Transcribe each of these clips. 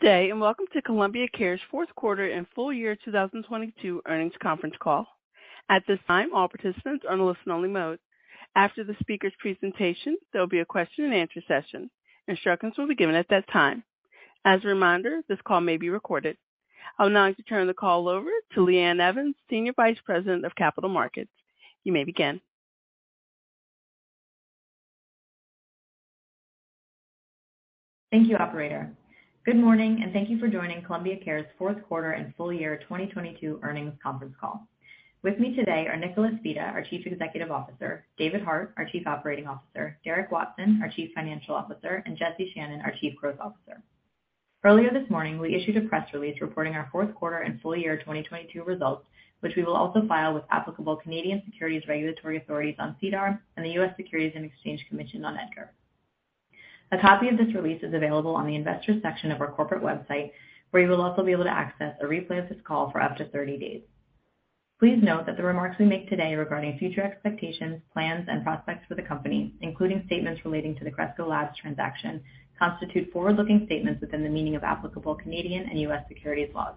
Good day, and welcome to The Cannabist Company's Q4 and full year 2022 earnings conference call. At this time, all participants are on a listen only mode. After the speaker's presentation, there'll be a question and answer session. Instructions will be given at that time. As a reminder, this call may be recorded. I'd now like to turn the call over to LeeAnn Evans, Senior Vice President of Capital Markets. You may begin. Thank you, operator. Good morning, and thank you for joining The Cannabist Company's Q4 and full year 2022 earnings conference call. With me today are Nicholas Vita, our Chief Executive Officer, David Hart, our Chief Operating Officer, Derek Watson, our Chief Financial Officer, and Jesse Channon, our Chief Growth Officer. Earlier this morning, we issued a press release reporting our Q4 and full year 2022 results, which we will also file with applicable Canadian Securities Regulatory Authorities on SEDAR and the U.S. Securities and Exchange Commission on EDGAR. A copy of this release is available on the investors section of our corporate website, where you will also be able to access a replay of this call for up to 30 days. Please note that the remarks we make today regarding future expectations, plans and prospects for the company, including statements relating to the Cresco Labs transaction, constitute forward-looking statements within the meaning of applicable Canadian and U.S. securities laws.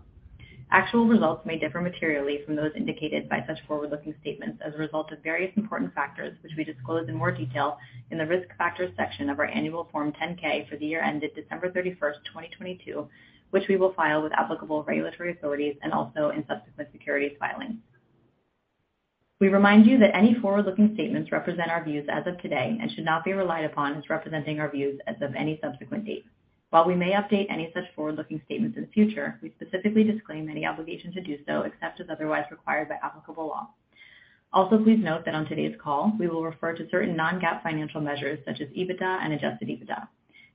Actual results may differ materially from those indicated by such forward-looking statements as a result of various important factors, which we disclose in more detail in the Risk Factors section of our annual Form 10-K for the year ended December 31st, 2022, which we will file with applicable regulatory authorities and also in subsequent securities filings. We remind you that any forward-looking statements represent our views as of today and should not be relied upon as representing our views as of any subsequent date. While we may update any such forward-looking statements in future, we specifically disclaim any obligation to do so except as otherwise required by applicable law. Also, please note that on today's call we will refer to certain non-GAAP financial measures such as EBITDA and adjusted EBITDA.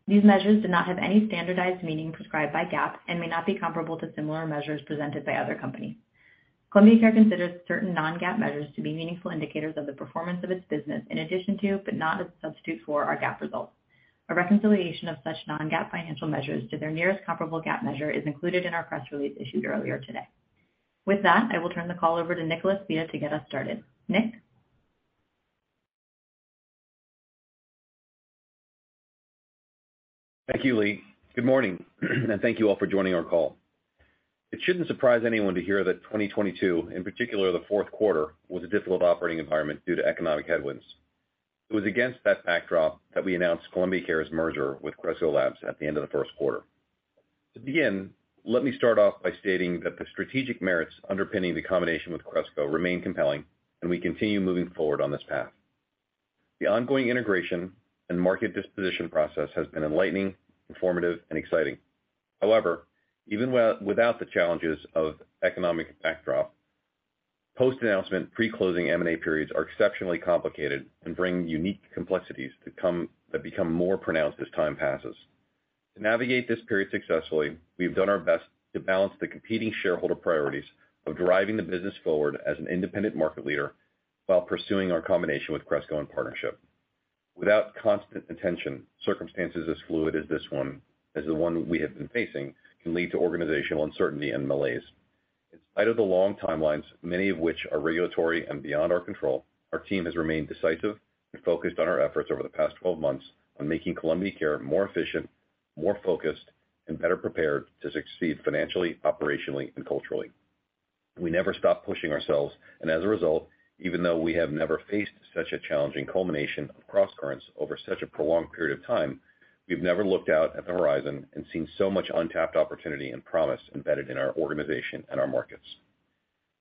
These measures do not have any standardized meaning prescribed by GAAP and may not be comparable to similar measures presented by other companies. Columbia Care considers certain non-GAAP measures to be meaningful indicators of the performance of its business in addition to, but not a substitute for, our GAAP results. A reconciliation of such non-GAAP financial measures to their nearest comparable GAAP measure is included in our press release issued earlier today. With that, I will turn the call over to Nicholas Vita to get us started. Nick. Thank you, Lee. Good morning, thank you all for joining our call. It shouldn't surprise anyone to hear that 2022, in particular the Q4, was a difficult operating environment due to economic headwinds. It was against that backdrop that we announced Columbia Care's merger with Cresco Labs at the end of the Q1. To begin, let me start off by stating that the strategic merits underpinning the combination with Cresco remain compelling, we continue moving forward on this path. The ongoing integration and market disposition process has been enlightening, informative, and exciting. However, even without the challenges of economic backdrop, post-announcement pre-closing M&A periods are exceptionally complicated and bring unique complexities that become more pronounced as time passes. To navigate this period successfully, we've done our best to balance the competing shareholder priorities of driving the business forward as an independent market leader while pursuing our combination with Cresco and partnership. Without constant attention, circumstances as fluid as this one, as the one we have been facing, can lead to organizational uncertainty and malaise. In spite of the long timelines, many of which are regulatory and beyond our control, our team has remained decisive and focused on our efforts over the past 12 months on making Columbia Care more efficient, more focused, and better prepared to succeed financially, operationally, and culturally. We never stop pushing ourselves, as a result, even though we have never faced such a challenging culmination of crosscurrents over such a prolonged period of time, we've never looked out at the horizon and seen so much untapped opportunity and promise embedded in our organization and our markets.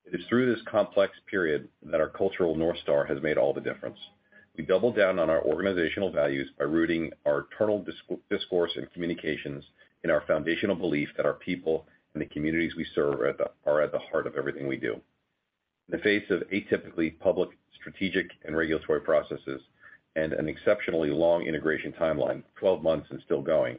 It is through this complex period that our cultural North Star has made all the difference. We doubled down on our organizational values by rooting our internal discourse and communications in our foundational belief that our people and the communities we serve are at the heart of everything we do. In the face of atypically public, strategic, and regulatory processes and an exceptionally long integration timeline, 12 months and still going,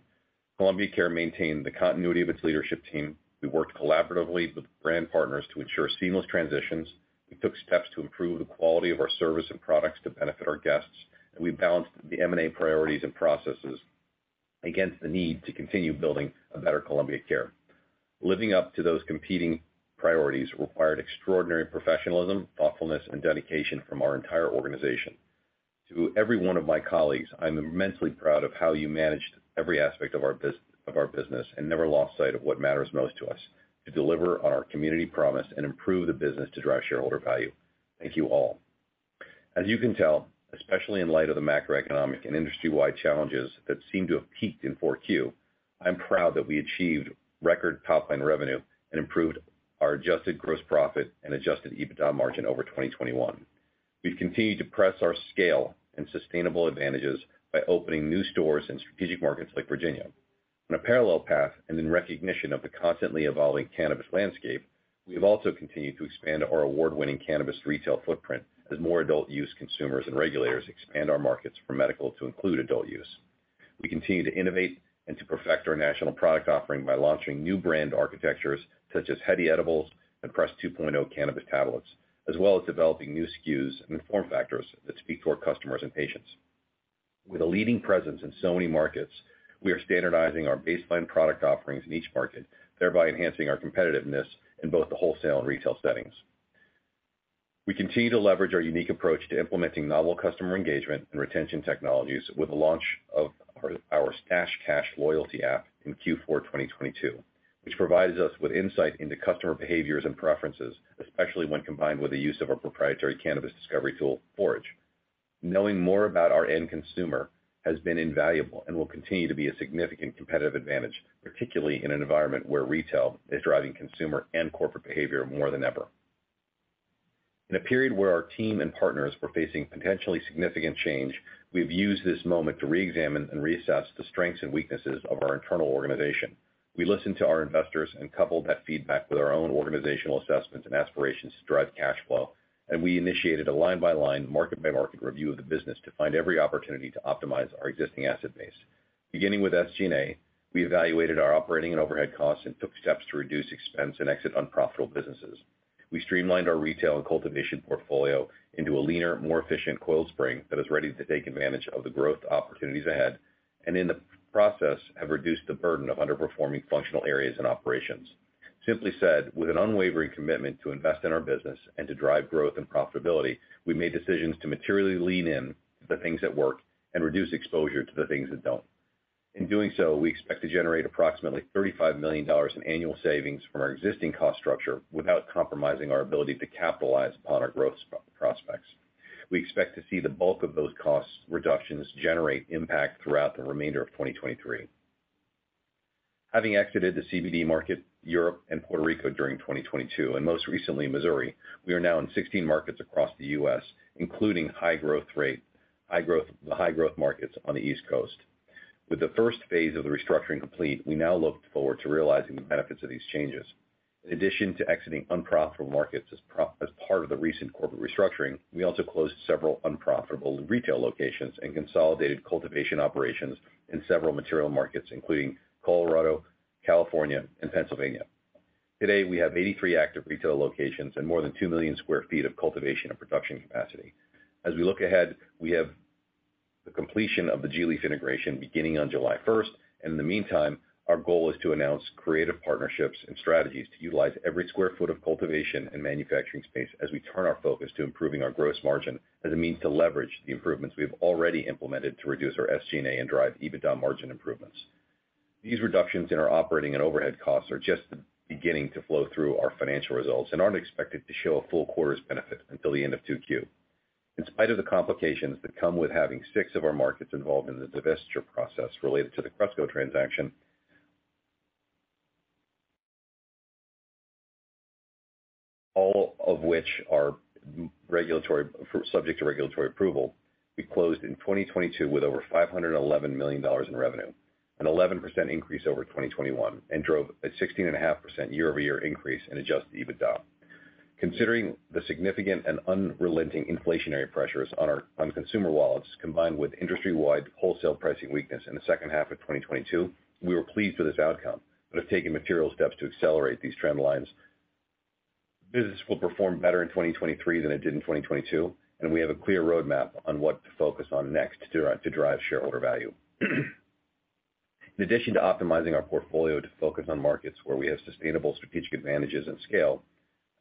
Columbia Care maintained the continuity of its leadership team, we worked collaboratively with brand partners to ensure seamless transitions, we took steps to improve the quality of our service and products to benefit our guests, and we balanced the M&A priorities and processes against the need to continue building a better Columbia Care. Living up to those competing priorities required extraordinary professionalism, thoughtfulness, and dedication from our entire organization. To every one of my colleagues, I'm immensely proud of how you managed every aspect of our business and never lost sight of what matters most to us, to deliver on our community promise and improve the business to drive shareholder value. Thank you all. As you can tell, especially in light of the macroeconomic and industry-wide challenges that seem to have peaked in Q4, I'm proud that we achieved record top line revenue and improved our adjusted gross profit and adjusted EBITDA margin over 2021. We've continued to press our scale and sustainable advantages by opening new stores in strategic markets like Virginia. On a parallel path and in recognition of the constantly evolving cannabis landscape, we have also continued to expand our award-winning cannabis retail footprint as more adult use consumers and regulators expand our markets from medical to include adult use. We continue to innovate and to perfect our national product offering by launching new brand architectures such as Hedy edibles and Press 2.0 cannabis tablets, as well as developing new SKUs and form factors that speak to our customers and patients. With a leading presence in so many markets, we are standardizing our baseline product offerings in each market, thereby enhancing our competitiveness in both the wholesale and retail settings. We continue to leverage our unique approach to implementing novel customer engagement and retention technologies with the launch of our Stash Cash loyalty app in Q4 2022, which provides us with insight into customer behaviors and preferences, especially when combined with the use of our proprietary cannabis discovery tool, Forage. Knowing more about our end consumer has been invaluable and will continue to be a significant competitive advantage, particularly in an environment where retail is driving consumer and corporate behavior more than ever. In a period where our team and partners were facing potentially significant change, we've used this moment to reexamine and reassess the strengths and weaknesses of our internal organization. We listened to our investors and coupled that feedback with our own organizational assessments and aspirations to drive cash flow, and we initiated a line-by-line, market-by-market review of the business to find every opportunity to optimize our existing asset base. Beginning with SG&A, we evaluated our operating and overhead costs and took steps to reduce expense and exit unprofitable businesses. We streamlined our retail and cultivation portfolio into a leaner, more efficient coiled spring that is ready to take advantage of the growth opportunities ahead, and in the process, have reduced the burden of underperforming functional areas and operations. Simply said, with an unwavering commitment to invest in our business and to drive growth and profitability, we made decisions to materially lean in to the things that work and reduce exposure to the things that don't. In doing so, we expect to generate approximately $35 million in annual savings from our existing cost structure without compromising our ability to capitalize upon our growth prospects. We expect to see the bulk of those costs reductions generate impact throughout the remainder of 2023. Having exited the CBD market, Europe, and Puerto Rico during 2022, and most recently Missouri, we are now in 16 markets across the U.S., including the high-growth markets on the East Coast. With the first phase of the restructuring complete, we now look forward to realizing the benefits of these changes. In addition to exiting unprofitable markets as part of the recent corporate restructuring, we also closed several unprofitable retail locations and consolidated cultivation operations in several material markets, including Colorado, California, and Pennsylvania. Today, we have 83 active retail locations and more than 2 million sq ft of cultivation and production capacity. As we look ahead, we have the completion of the gLeaf integration beginning on July 1st. In the meantime, our goal is to announce creative partnerships and strategies to utilize every square foot of cultivation and manufacturing space as we turn our focus to improving our gross margin as a means to leverage the improvements we have already implemented to reduce our SG&A and drive EBITDA margin improvements. These reductions in our operating and overhead costs are just beginning to flow through our financial results and aren't expected to show a full quarter's benefit until the end of Q2. In spite of the complications that come with having six of our markets involved in the divestiture process related to the Cresco transaction, all of which are subject to regulatory approval, we closed in 2022 with over $511 million in revenue, an 11% increase over 2021, and drove a 16.5% year-over-year increase in adjusted EBITDA. Considering the significant and unrelenting inflationary pressures on consumer wallets, combined with industry-wide wholesale pricing weakness in the H2 of 2022, we were pleased with this outcome, have taken material steps to accelerate these trend lines. Business will perform better in 2023 than it did in 2022, we have a clear roadmap on what to focus on next to drive shareholder value. In addition to optimizing our portfolio to focus on markets where we have sustainable strategic advantages and scale,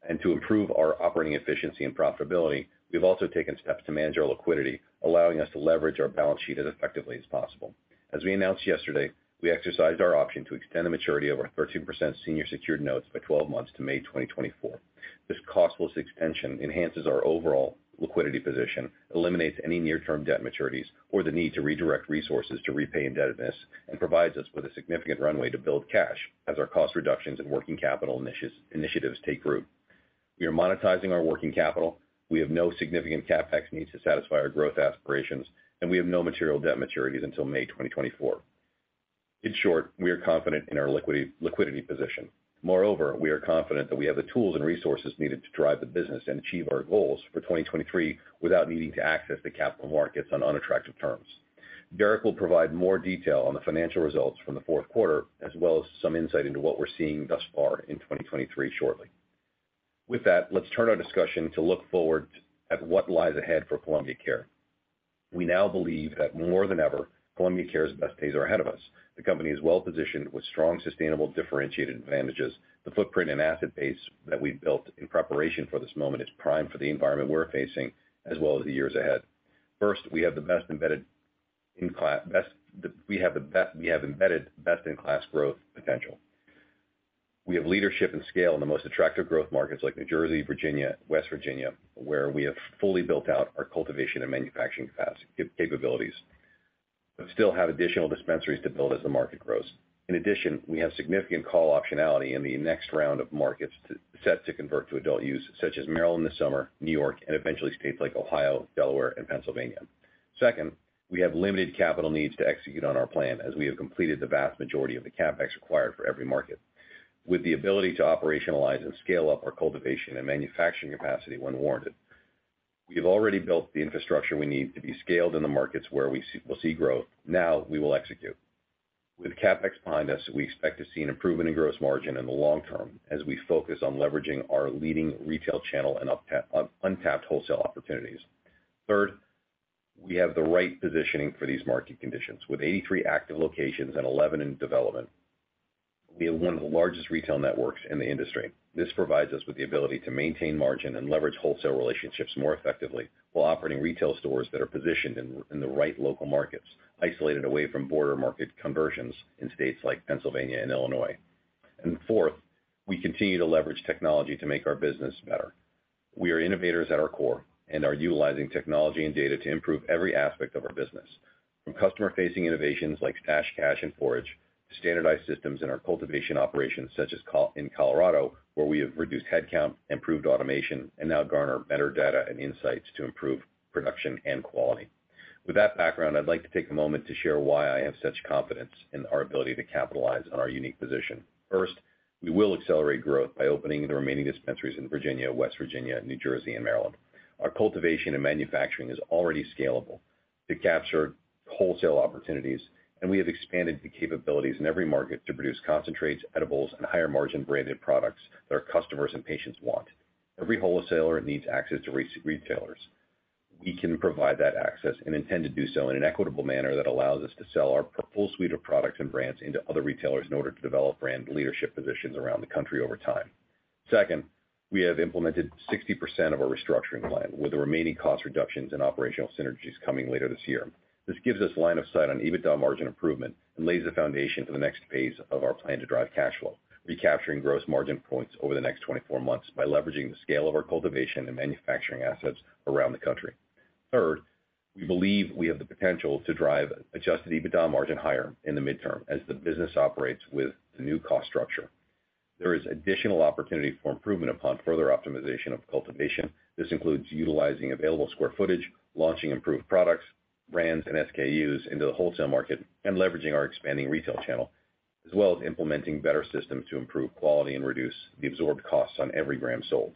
and to improve our operating efficiency and profitability, we've also taken steps to manage our liquidity, allowing us to leverage our balance sheet as effectively as possible. As we announced yesterday, we exercised our option to extend the maturity of our 13% senior secured notes by 12 months to May 2024. This costless extension enhances our overall liquidity position, eliminates any near-term debt maturities or the need to redirect resources to repay indebtedness, and provides us with a significant runway to build cash as our cost reductions and working capital initiatives take root. We are monetizing our working capital, we have no significant CapEx needs to satisfy our growth aspirations, and we have no material debt maturities until May 2024. In short, we are confident in our liquidity position. Moreover, we are confident that we have the tools and resources needed to drive the business and achieve our goals for 2023 without needing to access the capital markets on unattractive terms. Derek will provide more detail on the financial results from the Q4, as well as some insight into what we're seeing thus far in 2023 shortly. Let's turn our discussion to look forward at what lies ahead for The Cannabist Company. We now believe that more than ever, The Cannabist Company's best days are ahead of us. The company is well-positioned with strong, sustainable, differentiated advantages. The footprint and asset base that we've built in preparation for this moment is primed for the environment we're facing as well as the years ahead. First, we have embedded best-in-class growth potential. We have leadership and scale in the most attractive growth markets like New Jersey, Virginia, West Virginia, where we have fully built out our cultivation and manufacturing capabilities, but still have additional dispensaries to build as the market grows. In addition, we have significant call optionality in the next round of markets set to convert to adult use, such as Maryland this summer, New York, and eventually states like Ohio, Delaware, and Pennsylvania. Second, we have limited capital needs to execute on our plan, as we have completed the vast majority of the CapEx required for every market. With the ability to operationalize and scale up our cultivation and manufacturing capacity when warranted, we have already built the infrastructure we need to be scaled in the markets where we'll see growth. Now we will execute. With CapEx behind us, we expect to see an improvement in gross margin in the long term as we focus on leveraging our leading retail channel and untapped wholesale opportunities. Third, we have the right positioning for these market conditions. With 83 active locations and 11 in development. We have one of the largest retail networks in the industry. This provides us with the ability to maintain margin and leverage wholesale relationships more effectively while operating retail stores that are positioned in the right local markets, isolated away from border market conversions in states like Pennsylvania and Illinois. Fourth, we continue to leverage technology to make our business better. We are innovators at our core and are utilizing technology and data to improve every aspect of our business. From customer-facing innovations like Stash Cash and Forage, to standardized systems in our cultivation operations, such as in Colorado, where we have reduced headcount, improved automation, and now garner better data and insights to improve production and quality. With that background, I'd like to take a moment to share why I have such confidence in our ability to capitalize on our unique position. First, we will accelerate growth by opening the remaining dispensaries in Virginia, West Virginia, New Jersey, and Maryland. Our cultivation and manufacturing is already scalable to capture wholesale opportunities, and we have expanded the capabilities in every market to produce concentrates, edibles, and higher-margin branded products that our customers and patients want. Every wholesaler needs access to re-retailers. We can provide that access and intend to do so in an equitable manner that allows us to sell our full suite of products and brands into other retailers in order to develop brand leadership positions around the country over time. Second, we have implemented 60% of our restructuring plan, with the remaining cost reductions and operational synergies coming later this year. This gives us line of sight on EBITDA margin improvement and lays the foundation for the next phase of our plan to drive cash flow, recapturing gross margin points over the next 24 months by leveraging the scale of our cultivation and manufacturing assets around the country. Third, we believe we have the potential to drive adjusted EBITDA margin higher in the midterm as the business operates with the new cost structure. There is additional opportunity for improvement upon further optimization of cultivation. This includes utilizing available square footage, launching improved products, brands, and SKUs into the wholesale market, and leveraging our expanding retail channel, as well as implementing better systems to improve quality and reduce the absorbed costs on every gram sold.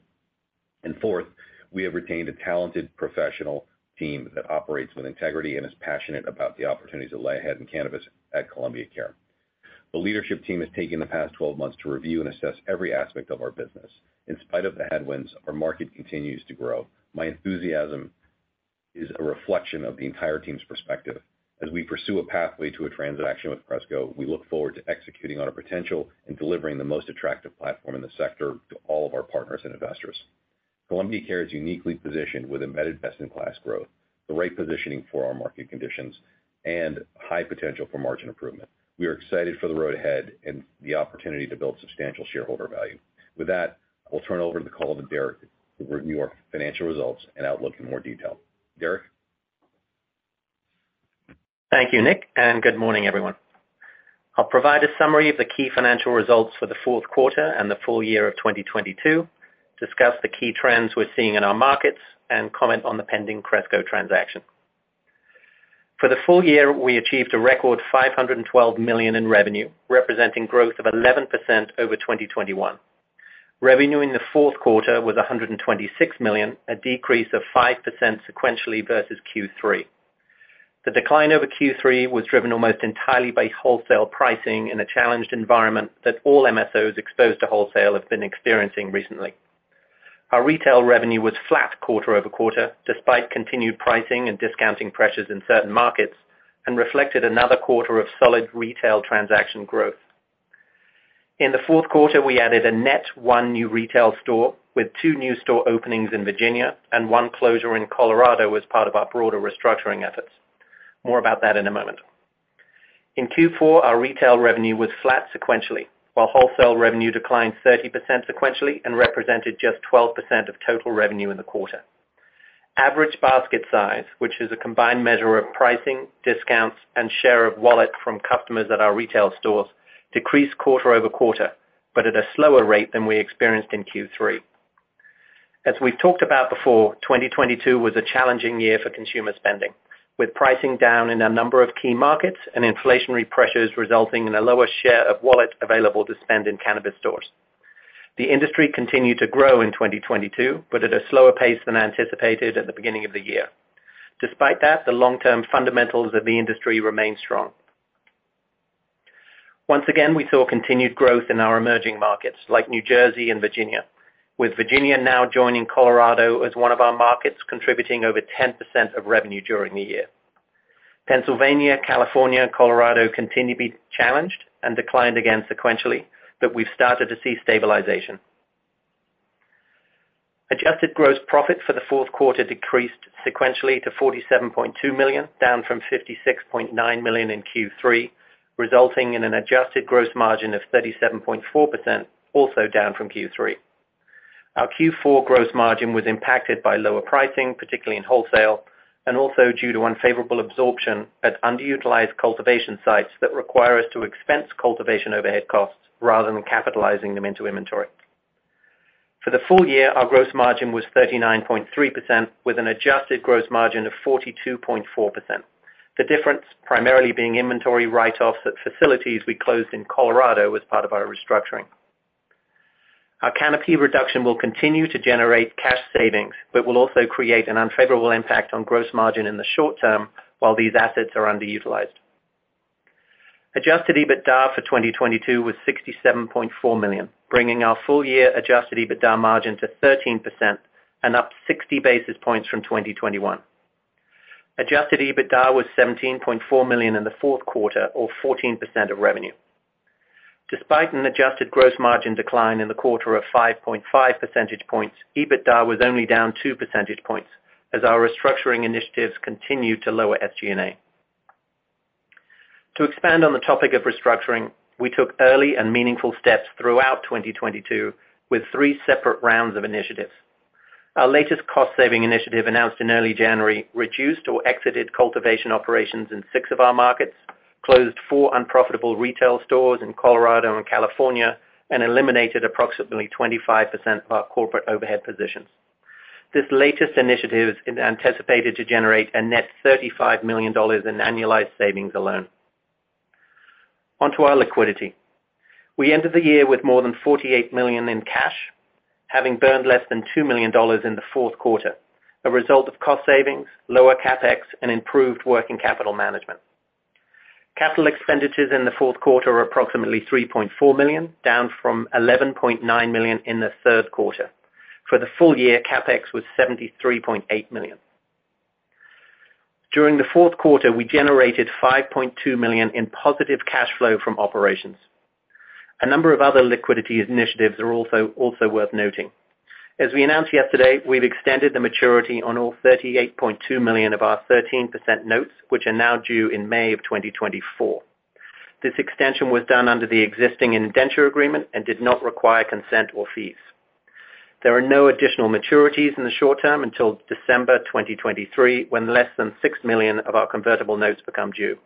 Fourth, we have retained a talented professional team that operates with integrity and is passionate about the opportunities that lie ahead in cannabis at The Cannabist Company. The leadership team has taken the past 12 months to review and assess every aspect of our business. In spite of the headwinds, our market continues to grow. My enthusiasm is a reflection of the entire team's perspective. As we pursue a pathway to a transaction with Cresco, we look forward to executing on our potential and delivering the most attractive platform in the sector to all of our partners and investors. Columbia Care is uniquely positioned with embedded best-in-class growth, the right positioning for our market conditions, and high potential for margin improvement. We are excited for the road ahead and the opportunity to build substantial shareholder value. With that, I'll turn over the call to Derek, who will review our financial results and outlook in more detail. Derek? Thank you, Nick, and good morning, everyone. I'll provide a summary of the key financial results for the Q4 and the full year of 2022, discuss the key trends we're seeing in our markets, and comment on the pending Cresco transaction. For the full year, we achieved a record $512 million in revenue, representing growth of 11% over 2021. Revenue in the Q4 was $126 million, a decrease of 5% sequentially versus Q3. The decline over Q3 was driven almost entirely by wholesale pricing in a challenged environment that all MSOs exposed to wholesale have been experiencing recently. Our retail revenue was flat quarter-over-quarter, despite continued pricing and discounting pressures in certain markets, and reflected another quarter of solid retail transaction growth. In the Q4, we added a net one new retail store with two new store openings in Virginia and one closure in Colorado as part of our broader restructuring efforts. More about that in a moment. In Q4, our retail revenue was flat sequentially, while wholesale revenue declined 30% sequentially and represented just 12% of total revenue in the quarter. Average basket size, which is a combined measure of pricing, discounts, and share of wallet from customers at our retail stores, decreased quarter-over-quarter, but at a slower rate than we experienced in Q3. As we've talked about before, 2022 was a challenging year for consumer spending, with pricing down in a number of key markets and inflationary pressures resulting in a lower share of wallet available to spend in cannabis stores. The industry continued to grow in 2022, at a slower pace than anticipated at the beginning of the year. Despite that, the long-term fundamentals of the industry remain strong. Once again, we saw continued growth in our emerging markets, like New Jersey and Virginia, with Virginia now joining Colorado as one of our markets contributing over 10% of revenue during the year. Pennsylvania, California, and Colorado continue to be challenged and declined again sequentially, We've started to see stabilization. Adjusted gross profit for the Q4 decreased sequentially to $47.2 million, down from $56.9 million in Q3, resulting in an adjusted gross margin of 37.4%, also down from Q3. Our Q4 gross margin was impacted by lower pricing, particularly in wholesale, and also due to unfavorable absorption at underutilized cultivation sites that require us to expense cultivation overhead costs rather than capitalizing them into inventory. For the full year, our gross margin was 39.3% with an adjusted gross margin of 42.4%. The difference primarily being inventory write-offs at facilities we closed in Colorado as part of our restructuring. Our canopy reduction will continue to generate cash savings, but will also create an unfavorable impact on gross margin in the short term while these assets are underutilized. Adjusted EBITDA for 2022 was $67.4 million, bringing our full year Adjusted EBITDA margin to 13% and up 60 basis points from 2021. Adjusted EBITDA was $17.4 million in the Q4, or 14% of revenue. Despite an adjusted gross margin decline in the quarter of 5.5 percentage points, EBITDA was only down 2 percentage points as our restructuring initiatives continued to lower SG&A. To expand on the topic of restructuring, we took early and meaningful steps throughout 2022 with 3 separate rounds of initiatives. Our latest cost-saving initiative, announced in early January, reduced or exited cultivation operations in 6 of our markets, closed 4 unprofitable retail stores in Colorado and California, and eliminated approximately 25% of our corporate overhead positions. This latest initiative is anticipated to generate a net $35 million in annualized savings alone. On to our liquidity. We ended the year with more than $48 million in cash, having burned less than $2 million in the Q4, a result of cost savings, lower CapEx, and improved working capital management. Capital expenditures in the Q4 were approximately $3.4 million, down from $11.9 million in the Q3. For the full year, CapEx was $73.8 million. During the Q4, we generated $5.2 million in positive cash flow from operations. A number of other liquidity initiatives are also worth noting. As we announced yesterday, we've extended the maturity on all $38.2 million of our 13% notes, which are now due in May of 2024. This extension was done under the existing indenture agreement and did not require consent or fees. There are no additional maturities in the short term until December 2023, when less than $6 million of our convertible notes become due.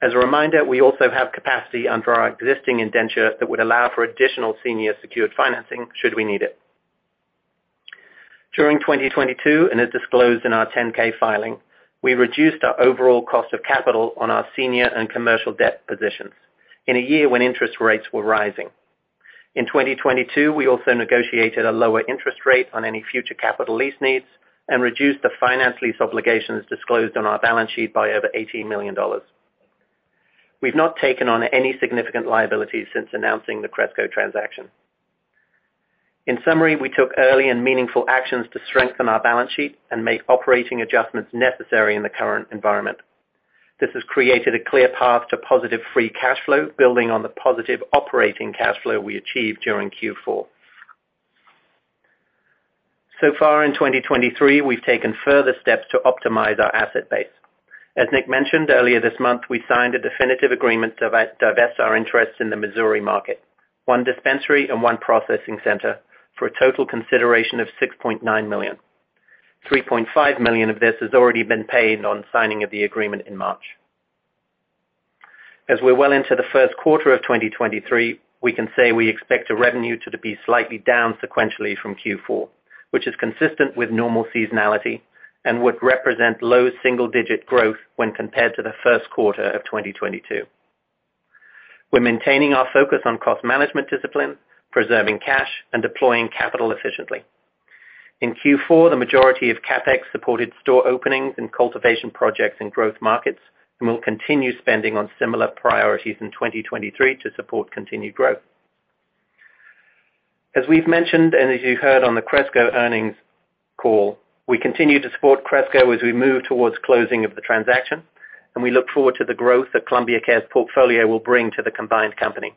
As a reminder, we also have capacity under our existing indenture that would allow for additional senior secured financing should we need it. During 2022, and as disclosed in our 10-K filing, we reduced our overall cost of capital on our senior and commercial debt positions in a year when interest rates were rising. In 2022, we also negotiated a lower interest rate on any future capital lease needs and reduced the finance lease obligations disclosed on our balance sheet by over $18 million. We've not taken on any significant liabilities since announcing the Cresco transaction. In summary, we took early and meaningful actions to strengthen our balance sheet and make operating adjustments necessary in the current environment. This has created a clear path to positive free cash flow, building on the positive operating cash flow we achieved during Q4. Far in 2023, we've taken further steps to optimize our asset base. As Nick mentioned, earlier this month, we signed a definitive agreement to divest our interest in the Missouri market, one dispensary and one processing center, for a total consideration of $6.9 million. $3.5 million of this has already been paid on signing of the agreement in March. As we're well into the Q1 of 2023, we can say we expect the revenue to be slightly down sequentially from Q4, which is consistent with normal seasonality and would represent low single-digit growth when compared to the Q1 of 2022. We're maintaining our focus on cost management discipline, preserving cash, and deploying capital efficiently. In Q4, the majority of CapEx supported store openings and cultivation projects in growth markets, and we'll continue spending on similar priorities in 2023 to support continued growth. As we've mentioned, and as you heard on the Cresco earnings call, we continue to support Cresco as we move towards closing of the transaction, and we look forward to the growth that Columbia Care's portfolio will bring to the combined company.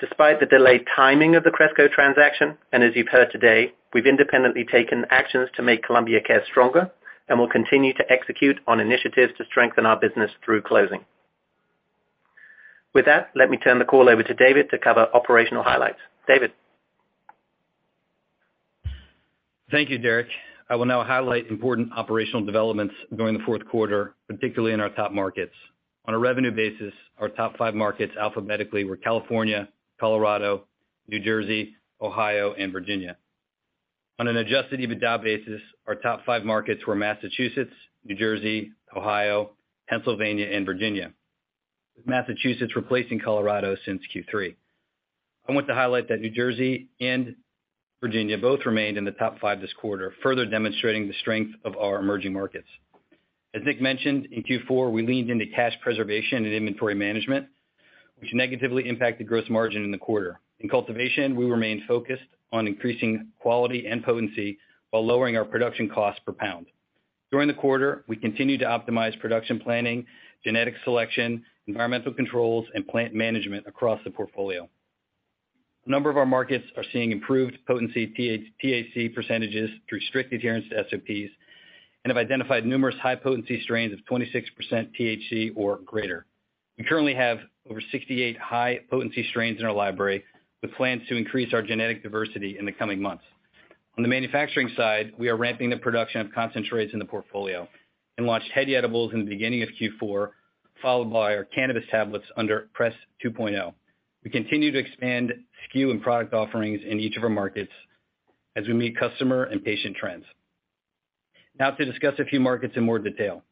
Despite the delayed timing of the Cresco transaction, and as you've heard today, we've independently taken actions to make Columbia Care stronger, and we'll continue to execute on initiatives to strengthen our business through closing. With that, let me turn the call over to David to cover operational highlights. David? Thank you, Derek. I will now highlight important operational developments during the Q4, particularly in our top markets. On a revenue basis, our top five markets alphabetically were California, Colorado, New Jersey, Ohio, and Virginia. On an adjusted EBITDA basis, our top five markets were Massachusetts, New Jersey, Ohio, Pennsylvania, and Virginia, with Massachusetts replacing Colorado since Q3. I want to highlight that New Jersey and Virginia both remained in the top five this quarter, further demonstrating the strength of our emerging markets. As Nick mentioned, in Q4, we leaned into cash preservation and inventory management, which negatively impacted gross margin in the quarter. In cultivation, we remained focused on increasing quality and potency while lowering our production cost per pound. During the quarter, we continued to optimize production planning, genetic selection, environmental controls, and plant management across the portfolio. A number of our markets are seeing improved potency THC percentages through strict adherence to SOPs and have identified numerous high-potency strains of 26% THC or greater. We currently have over 68 high-potency strains in our library, with plans to increase our genetic diversity in the coming months. On the manufacturing side, we are ramping the production of concentrates in the portfolio and launched Hedy edibles in the beginning of Q4, followed by our cannabis tablets under Press 2.0. We continue to expand SKU and product offerings in each of our markets as we meet customer and patient trends. To discuss a few markets in more detail.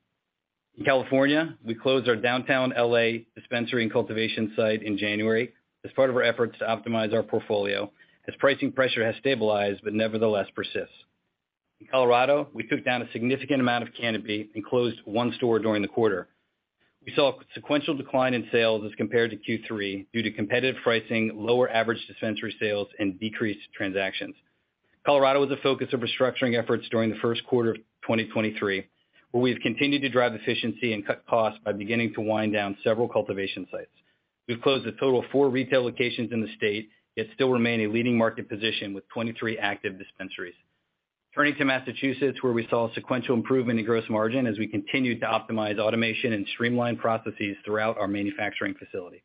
In California, we closed our downtown L.A. dispensary and cultivation site in January as part of our efforts to optimize our portfolio, as pricing pressure has stabilized but nevertheless persists. In Colorado, we took down a significant amount of canopy and closed 1 store during the quarter. We saw a sequential decline in sales as compared to Q3 due to competitive pricing, lower average dispensary sales and decreased transactions. Colorado was a focus of restructuring efforts during the Q1 of 2023, where we've continued to drive efficiency and cut costs by beginning to wind down several cultivation sites. We've closed a total of 4 retail locations in the state, yet still remain a leading market position with 23 active dispensaries. Turning to Massachusetts, where we saw a sequential improvement in gross margin as we continued to optimize automation and streamline processes throughout our manufacturing facility.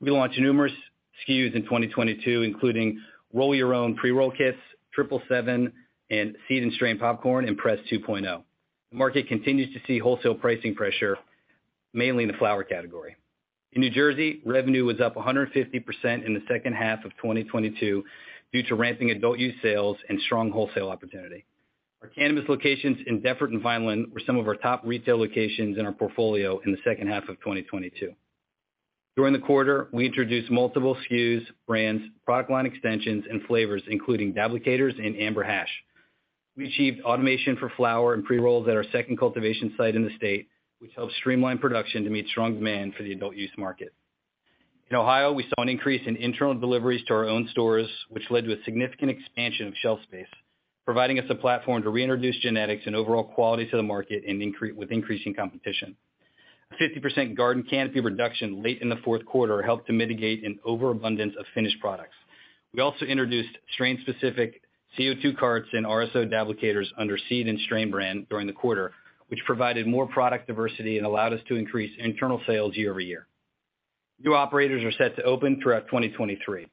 We launched numerous SKUs in 2022, including Roll Your Own pre-roll kits, Triple Seven, and Seed & Strain Popcorn, and Press 2.0. The market continues to see wholesale pricing pressure, mainly in the flower category. In New Jersey, revenue was up 150% in the H2 of 2022 due to ramping adult use sales and strong wholesale opportunity. Our cannabis locations in Deptford and Vineland were some of our top retail locations in our portfolio in the H2 of 2022. During the quarter, we introduced multiple SKUs, brands, product line extensions and flavors, including Dablicators and Amber hash. We achieved automation for flower and pre-rolls at our second cultivation site in the state, which helps streamline production to meet strong demand for the adult use market. In Ohio, we saw an increase in internal deliveries to our own stores, which led to a significant expansion of shelf space, providing us a platform to reintroduce genetics and overall quality to the market with increasing competition. A 50% garden canopy reduction late in the Q4 helped to mitigate an overabundance of finished products. We also introduced strain-specific CO2 carts and RSO Dablicators under Seed & Strain brand during the quarter, which provided more product diversity and allowed us to increase internal sales year-over-year. New operators are set to open throughout 2023,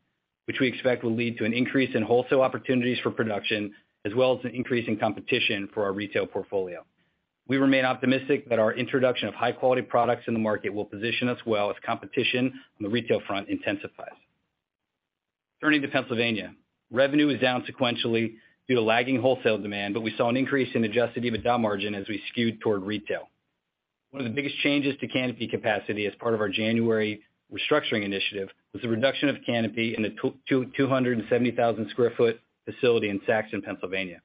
which we expect will lead to an increase in wholesale opportunities for production, as well as an increase in competition for our retail portfolio. We remain optimistic that our introduction of high-quality products in the market will position us well as competition on the retail front intensifies. Turning to Pennsylvania, revenue is down sequentially due to lagging wholesale demand, but we saw an increase in adjusted EBITDA margin as we skewed toward retail. One of the biggest changes to canopy capacity as part of our January restructuring initiative was the reduction of canopy in the 270,000 sq ft facility in Saxton, Pennsylvania.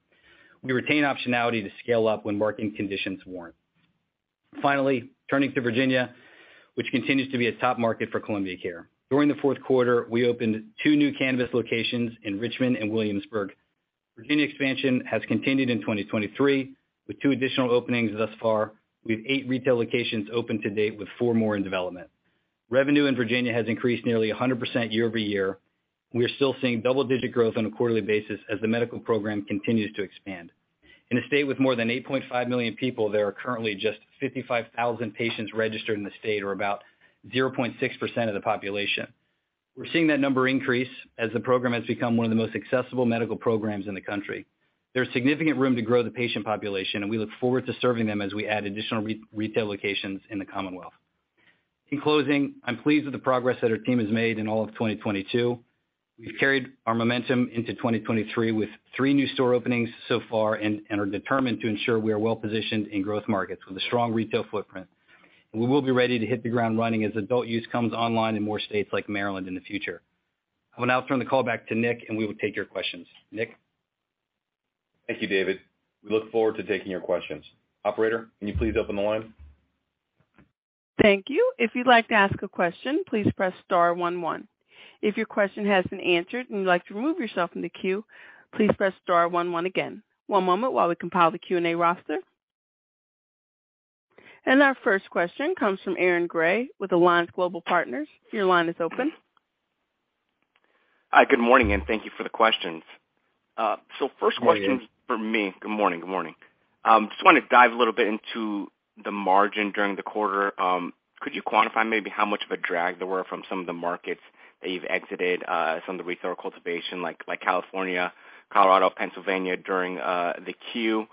We retain optionality to scale up when market conditions warrant. Finally, turning to Virginia, which continues to be a top market for Columbia Care. During the Q4, we opened two new cannabis locations in Richmond and Williamsburg. Virginia expansion has continued in 2023, with two additional openings thus far. We have eight retail locations open to date, with four more in development. Revenue in Virginia has increased nearly 100% year-over-year. We are still seeing double-digit growth on a quarterly basis as the medical program continues to expand. In a state with more than 8.5 million people, there are currently just 55,000 patients registered in the state, or about 0.6% of the population. We're seeing that number increase as the program has become one of the most accessible medical programs in the country. There's significant room to grow the patient population, look forward to serving them as we add additional retail locations in the Commonwealth. In closing, I'm pleased with the progress that our team has made in all of 2022. We've carried our momentum into 2023 with three new store openings so far and are determined to ensure we are well-positioned in growth markets with a strong retail footprint. We will be ready to hit the ground running as adult use comes online in more states like Maryland in the future. I will now turn the call back to Nick, and we will take your questions. Nick? Thank you, David. We look forward to taking your questions. Operator, can you please open the line? Thank you. If you'd like to ask a question, please press star one one. If your question has been answered and you'd like to remove yourself from the queue, please press star one one again. One moment while we compile the Q&A roster. Our first question comes from Aaron Grey with Alliance Global Partners. Your line is open. Hi. Good morning, and thank you for the questions. Good morning.... for me. Good morning. Good morning. Just wanna dive a little bit into the margin during the quarter. Could you quantify maybe how much of a drag there were from some of the markets that you've exited, some of the retail cultivation like California, Colorado, Pennsylvania during the Q?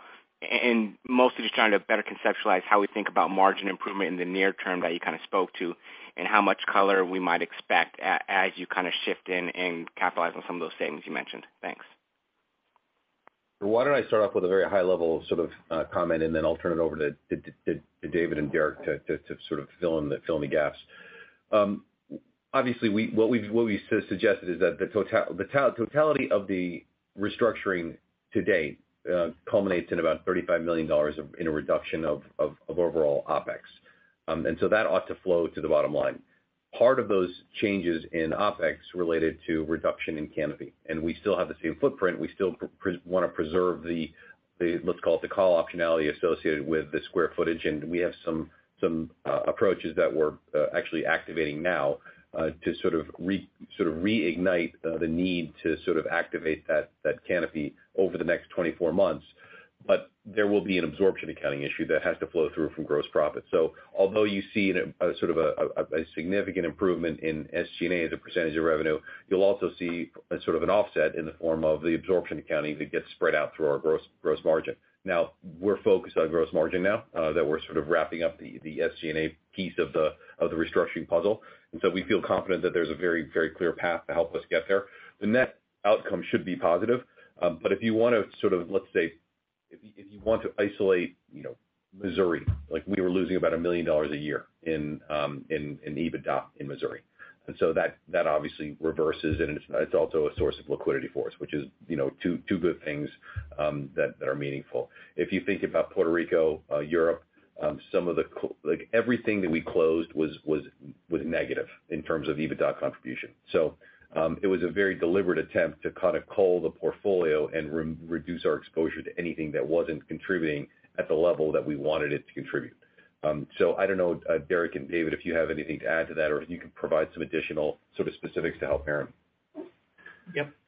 Mostly just trying to better conceptualize how we think about margin improvement in the near term that you kinda spoke to, and how much color we might expect as you kinda shift in and capitalize on some of those savings you mentioned. Thanks. Why don't I start off with a very high level sort of comment, and then I'll turn it over to David and Derek to sort of fill in the, fill in the gaps. Obviously what we suggested is that the totality of the restructuring to date culminates in about $35 million in a reduction of overall OpEx. That ought to flow to the bottom line. Part of those changes in OpEx related to reduction in canopy, and we still have the same footprint. We still wanna preserve the, let's call it the call optionality associated with the square footage, and we have some approaches that we're actually activating now, to sort of reignite the need to sort of activate that canopy over the next 24 months. But there will be an absorption accounting issue that has to flow through from gross profit. Although you see a sort of a, a significant improvement in SG&A as a percentage of revenue, you'll also see a sort of an offset in the form of the absorption accounting that gets spread out through our gross margin. We're focused on gross margin now, that we're sort of wrapping up the SG&A piece of the, of the restructuring puzzle. We feel confident that there's a very, very clear path to help us get there. The net outcome should be positive. But if you want to sort of, let's say, if you want to isolate, you know, Missouri, like we were losing about $1 million a year in EBITDA in Missouri. That obviously reverses, and it's also a source of liquidity for us, which is, you know, two good things that are meaningful. If you think about Puerto Rico, Europe, everything that we closed was negative in terms of EBITDA contribution. It was a very deliberate attempt to kind of cull the portfolio and re-reduce our exposure to anything that wasn't contributing at the level that we wanted it to contribute. I don't know, Derek and David, if you have anything to add to that, or if you can provide some additional sort of specifics to help Aaron?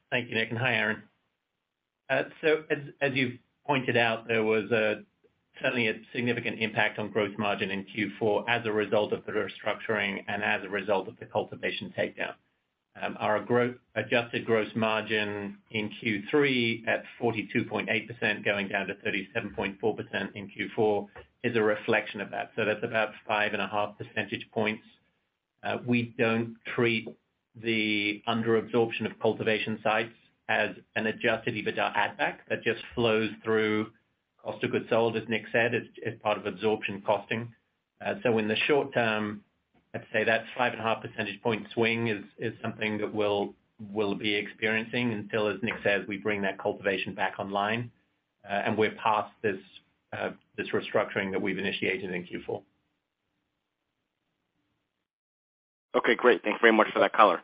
Thank you, Nick. Hi, Aaron. As you pointed out, there was certainly a significant impact on gross margin in Q4 as a result of the restructuring and as a result of the cultivation takedown. Our adjusted gross margin in Q3 at 42.8%, going down to 37.4% in Q4 is a reflection of that. That's about 5.5 percentage points. We don't treat the under absorption of cultivation sites as an adjusted EBITDA add back. That just flows through cost of goods sold, as Nick said, as part of absorption costing. In the short term, I'd say that 5.5 percentage point swing is something that we'll be experiencing until, as Nick says, we bring that cultivation back online, and we're past this restructuring that we've initiated in Q4. Okay, great. Thanks very much for that color.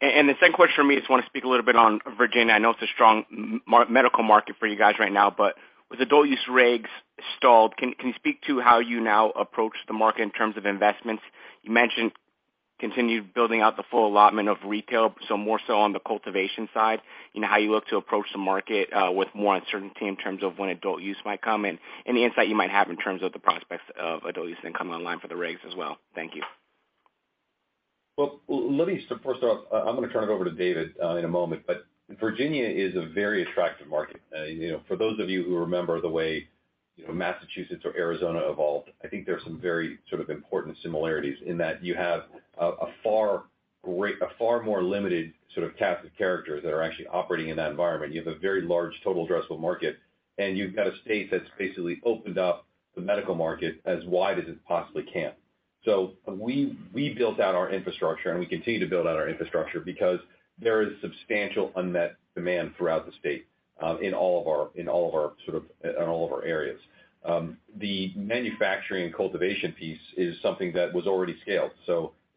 The second question for me is want to speak a little bit on Virginia. I know it's a strong medical market for you guys right now, with adult use regs stalled, can you speak to how you now approach the market in terms of investments? You mentioned continued building out the full allotment of retail, so more so on the cultivation side, you know, how you look to approach the market with more uncertainty in terms of when adult use might come in, any insight you might have in terms of the prospects of adult use then come online for the regs as well. Thank you. Well, let me first off, I'm gonna turn it over to David in a moment. Virginia is a very attractive market. You know, for those of you who remember the way, you know, Massachusetts or Arizona evolved, I think there's some very sort of important similarities in that you have a far more limited sort of cast of characters that are actually operating in that environment. You have a very large total addressable market, and you've got a state that's basically opened up the medical market as wide as it possibly can. We built out our infrastructure, and we continue to build out our infrastructure because there is substantial unmet demand throughout the state in all of our, sort of, in all of our areas. The manufacturing and cultivation piece is something that was already scaled.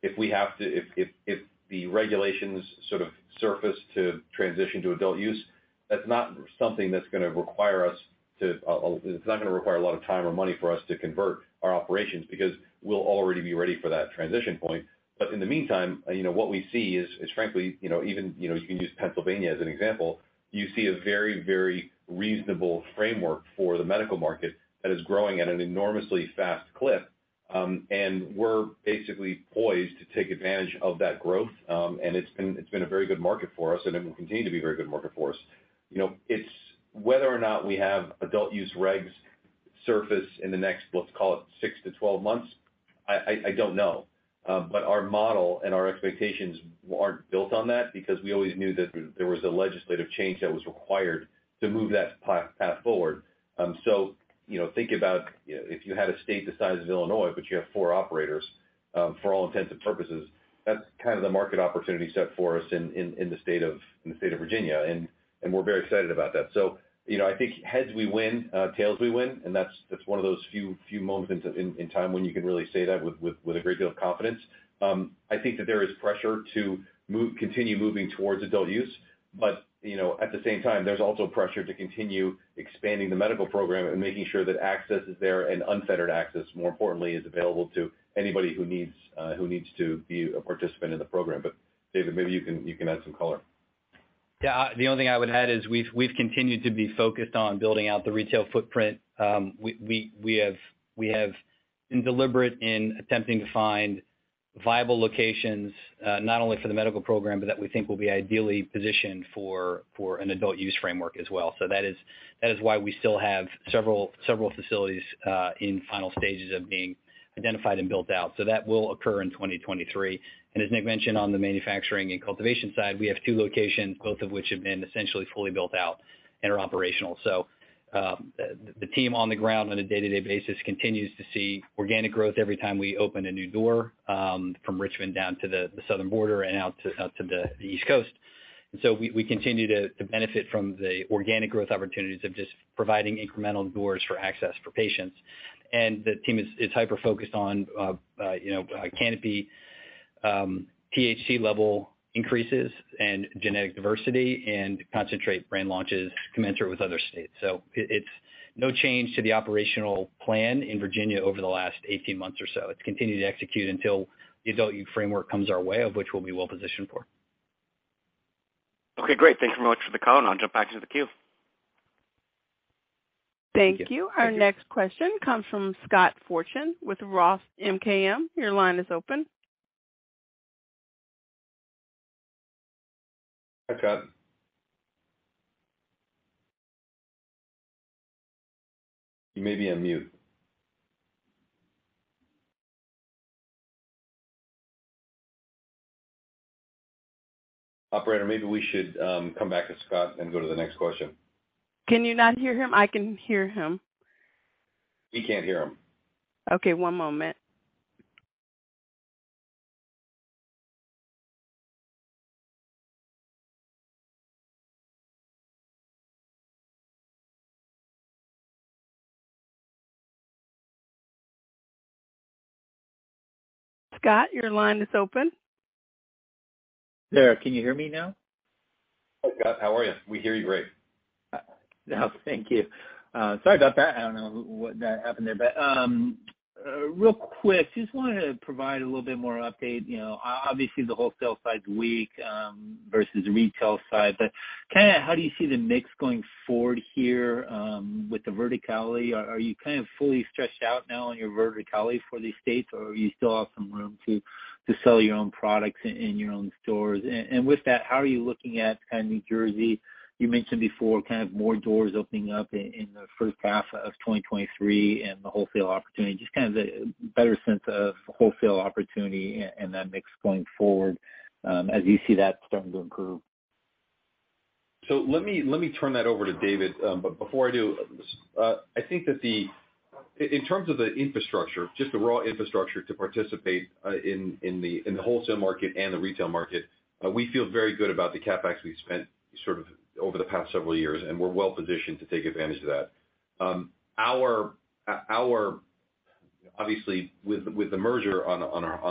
If we have to, if the regulations sort of surface to transition to adult use, that's not something that's gonna require us to. It's not gonna require a lot of time or money for us to convert our operations because we'll already be ready for that transition point. In the meantime, you know, what we see is frankly, you know, even, you know, you can use Pennsylvania as an example. You see a very, very reasonable framework for the medical market that is growing at an enormously fast clip. We're basically poised to take advantage of that growth. It's been a very good market for us, and it will continue to be a very good market for us. You know, it's. Whether or not we have adult use regs surface in the next, let's call it 6-12 months, I don't know. Our model and our expectations aren't built on that because we always knew that there was a legislative change that was required to move that path forward. You know, think about if you had a state the size of Illinois, but you have four operators, for all intents and purposes, that's kind of the market opportunity set for us in the state of Virginia, and we're very excited about that. You know, I think heads we win, tails we win. That's one of those few moments in time when you can really say that with a great deal of confidence. I think that there is pressure to move, continue moving towards adult use. You know, at the same time, there's also pressure to continue expanding the medical program and making sure that access is there and unfettered access, more importantly, is available to anybody who needs, who needs to be a participant in the program. David, maybe you can, you can add some color. Yeah. The only thing I would add is we've continued to be focused on building out the retail footprint. We have been deliberate in attempting to find viable locations, not only for the medical program, but that we think will be ideally positioned for an adult use framework as well. That is why we still have several facilities in final stages of being identified and built out. That will occur in 2023. As Nick mentioned on the manufacturing and cultivation side, we have two locations, both of which have been essentially fully built out and are operational. The team on the ground on a day-to-day basis continues to see organic growth every time we open a new door, from Richmond down to the southern border and out to the East Coast. We continue to benefit from the organic growth opportunities of just providing incremental doors for access for patients. The team is hyper-focused on, you know, canopy, THC level increases and genetic diversity and concentrate brand launches commensurate with other states. It's no change to the operational plan in Virginia over the last 18 months or so. It's continued to execute until the adult use framework comes our way, of which we'll be well positioned for. Okay, great. Thanks very much for the call. I'll jump back into the queue. Thank you. Thank you. Our next question comes from Scott Fortune with ROTH MKM. Your line is open. Scott? You may be on mute. Operator, maybe we should come back to Scott and go to the next question. Can you not hear him? I can hear him. We can't hear him. Okay, one moment. Scott, your line is open. There, can you hear me now? Hi, Scott. How are you? We hear you great. Now thank you. Sorry about that. I don't know what that happened there, but real quick, just wanted to provide a little bit more update. You know, obviously the wholesale side's weak versus retail side, but kinda how do you see the mix going forward here with the verticality? Are you kind of fully stretched out now on your verticality for these states, or are you still have some room to sell your own products in your own stores? With that, how are you looking at kind of New Jersey? You mentioned before kind of more doors opening up in the H1 of 2023 and the wholesale opportunity, just kind of the better sense of wholesale opportunity and that mix going forward, as you see that starting to improve. Let me turn that over to David. Before I do, I think that the in terms of the infrastructure, just the raw infrastructure to participate in the wholesale market and the retail market, we feel very good about the CapEx we've spent sort of over the past several years, and we're well-positioned to take advantage of that. Obviously, with the merger on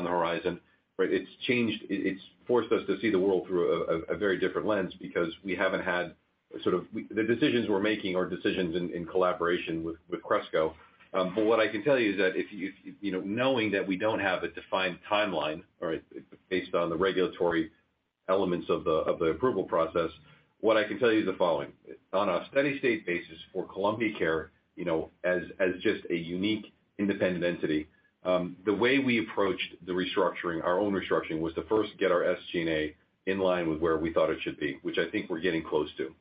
the horizon, right? It's forced us to see the world through a very different lens because we haven't had sort of The decisions we're making are decisions in collaboration with Cresco. What I can tell you is that if you know, knowing that we don't have a defined timeline or based on the regulatory elements of the, of the approval process, what I can tell you is the following. On a steady state basis for Columbia Care, you know, as just a unique independent entity, the way we approached the restructuring, our own restructuring, was to first get our SG&A in line with where we thought it should be, which I think we're getting close to.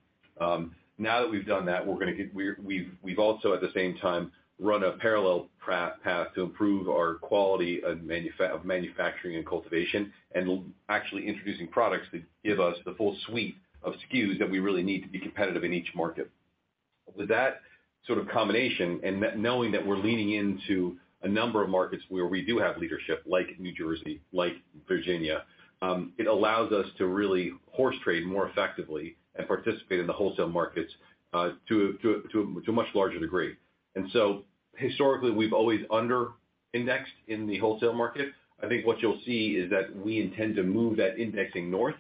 Now that we've done that, We've also at the same time run a parallel path to improve our quality of manufacturing and cultivation, and actually introducing products that give us the full suite of SKUs that we really need to be competitive in each market. With that sort of combination and knowing that we're leaning into a number of markets where we do have leadership, like New Jersey, like Virginia, it allows us to really horse trade more effectively and participate in the wholesale markets to a much larger degree. Historically, we've always under-indexed in the wholesale market. I think what you'll see is that we intend to move that indexing north.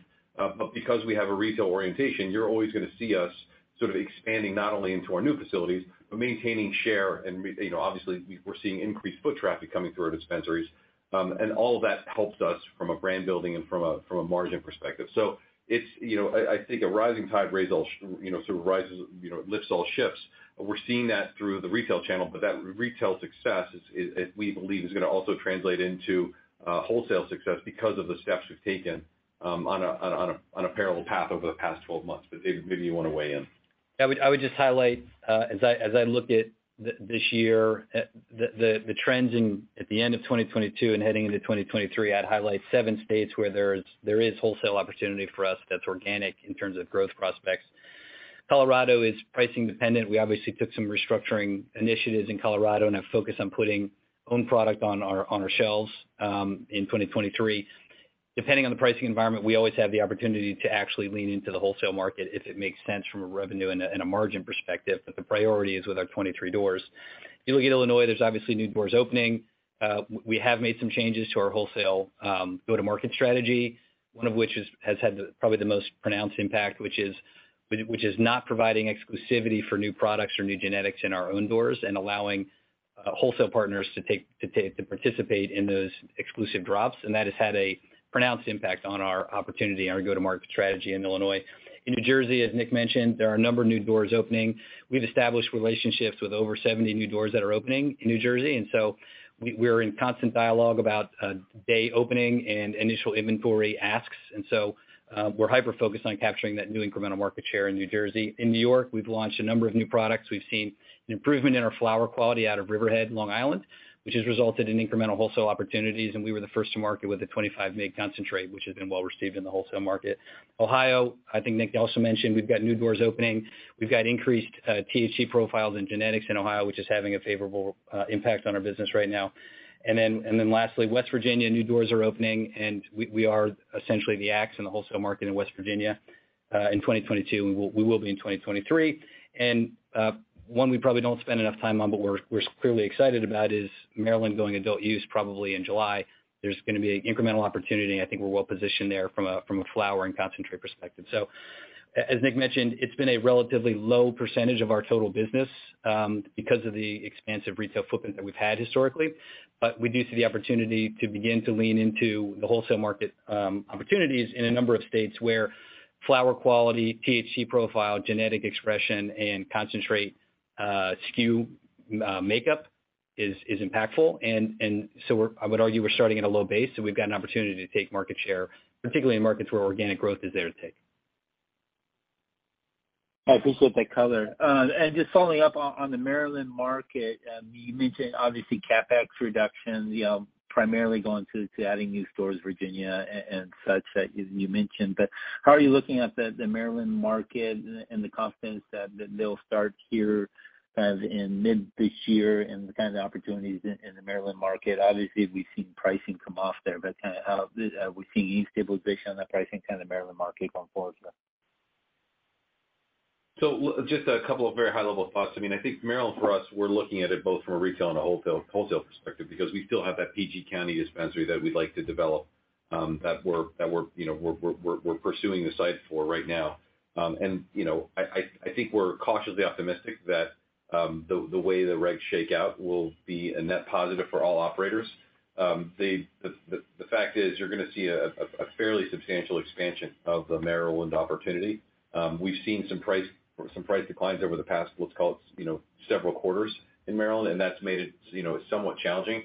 Because we have a retail orientation, you're always gonna see us sort of expanding not only into our new facilities, but maintaining share and You know, obviously we're seeing increased foot traffic coming through our dispensaries. All of that helps us from a brand building and from a margin perspective. It's, you know, I think a rising tide raises all you know, sort of rises, you know, it lifts all ships. We're seeing that through the retail channel, but that retail success we believe is gonna also translate into wholesale success because of the steps we've taken on a parallel path over the past 12 months. Dave, maybe you wanna weigh in. I would just highlight, as I look at this year, the trends in, at the end of 2022 and heading into 2023, I'd highlight 7 states where there is wholesale opportunity for us that's organic in terms of growth prospects. Colorado is pricing dependent. We obviously took some restructuring initiatives in Colorado, and have focused on putting own product on our shelves, in 2023. Depending on the pricing environment, we always have the opportunity to actually lean into the wholesale market if it makes sense from a revenue and a margin perspective. But the priority is with our 23 doors. If you look at Illinois, there's obviously new doors opening. We have made some changes to our wholesale go-to-market strategy, one of which has had the probably the most pronounced impact, which is not providing exclusivity for new products or new genetics in our own doors and allowing wholesale partners to participate in those exclusive drops. That has had a pronounced impact on our opportunity and our go-to-market strategy in Illinois. In New Jersey, as Nick mentioned, there are a number of new doors opening. We've established relationships with over 70 new doors that are opening in New Jersey. We're in constant dialogue about day opening and initial inventory asks. We're hyper-focused on capturing that new incremental market share in New Jersey. In New York, we've launched a number of new products. We've seen an improvement in our flower quality out of Riverhead, Long Island, which has resulted in incremental wholesale opportunities. We were the first to marked with a 25 mg concentrate, which has been well received in the wholesale market. Ohio, I think Nick also mentioned we've got new doors opening. We've got increased THC profiles and genetics in Ohio, which is having a favorable impact on our business right now. Lastly, West Virginia, new doors are opening. We are essentially the axe in the wholesale market in West Virginia in 2022, we will be in 2023. One we probably don't spend enough time on, but we're clearly excited about, is Maryland going adult use probably in July. There's gonna be an incremental opportunity, and I think we're well positioned there from a flower and concentrate perspective. As Nick mentioned, it's been a relatively low percentage of our total business because of the expansive retail footprint that we've had historically. We do see the opportunity to begin to lean into the wholesale market opportunities in a number of states where flower quality, THC profile, genetic expression, and concentrate SKU makeup is impactful. I would argue we're starting at a low base, we've got an opportunity to take market share, particularly in markets where organic growth is there to take. I appreciate that color. Just following up on the Maryland market, you mentioned obviously CapEx reduction, you know, primarily going to adding new stores, Virginia and such that you mentioned. How are you looking at the Maryland market and the confidence that they'll start here as in mid this year and the kinds of opportunities in the Maryland market? Obviously, we've seen pricing come off there, but kinda how are we seeing any stabilization on the pricing kind of Maryland market going forward? Just a couple of very high level thoughts. I mean, I think Maryland, for us, we're looking at it both from a retail and a wholesale perspective because we still have that PG County dispensary that we'd like to develop, that we're pursuing the site for right now. And, you know, I think we're cautiously optimistic that the way the regs shake out will be a net positive for all operators. The fact is you're gonna see a fairly substantial expansion of the Maryland opportunity. We've seen some price declines over the past, let's call it, you know, several quarters in Maryland, and that's made it, you know, somewhat challenging.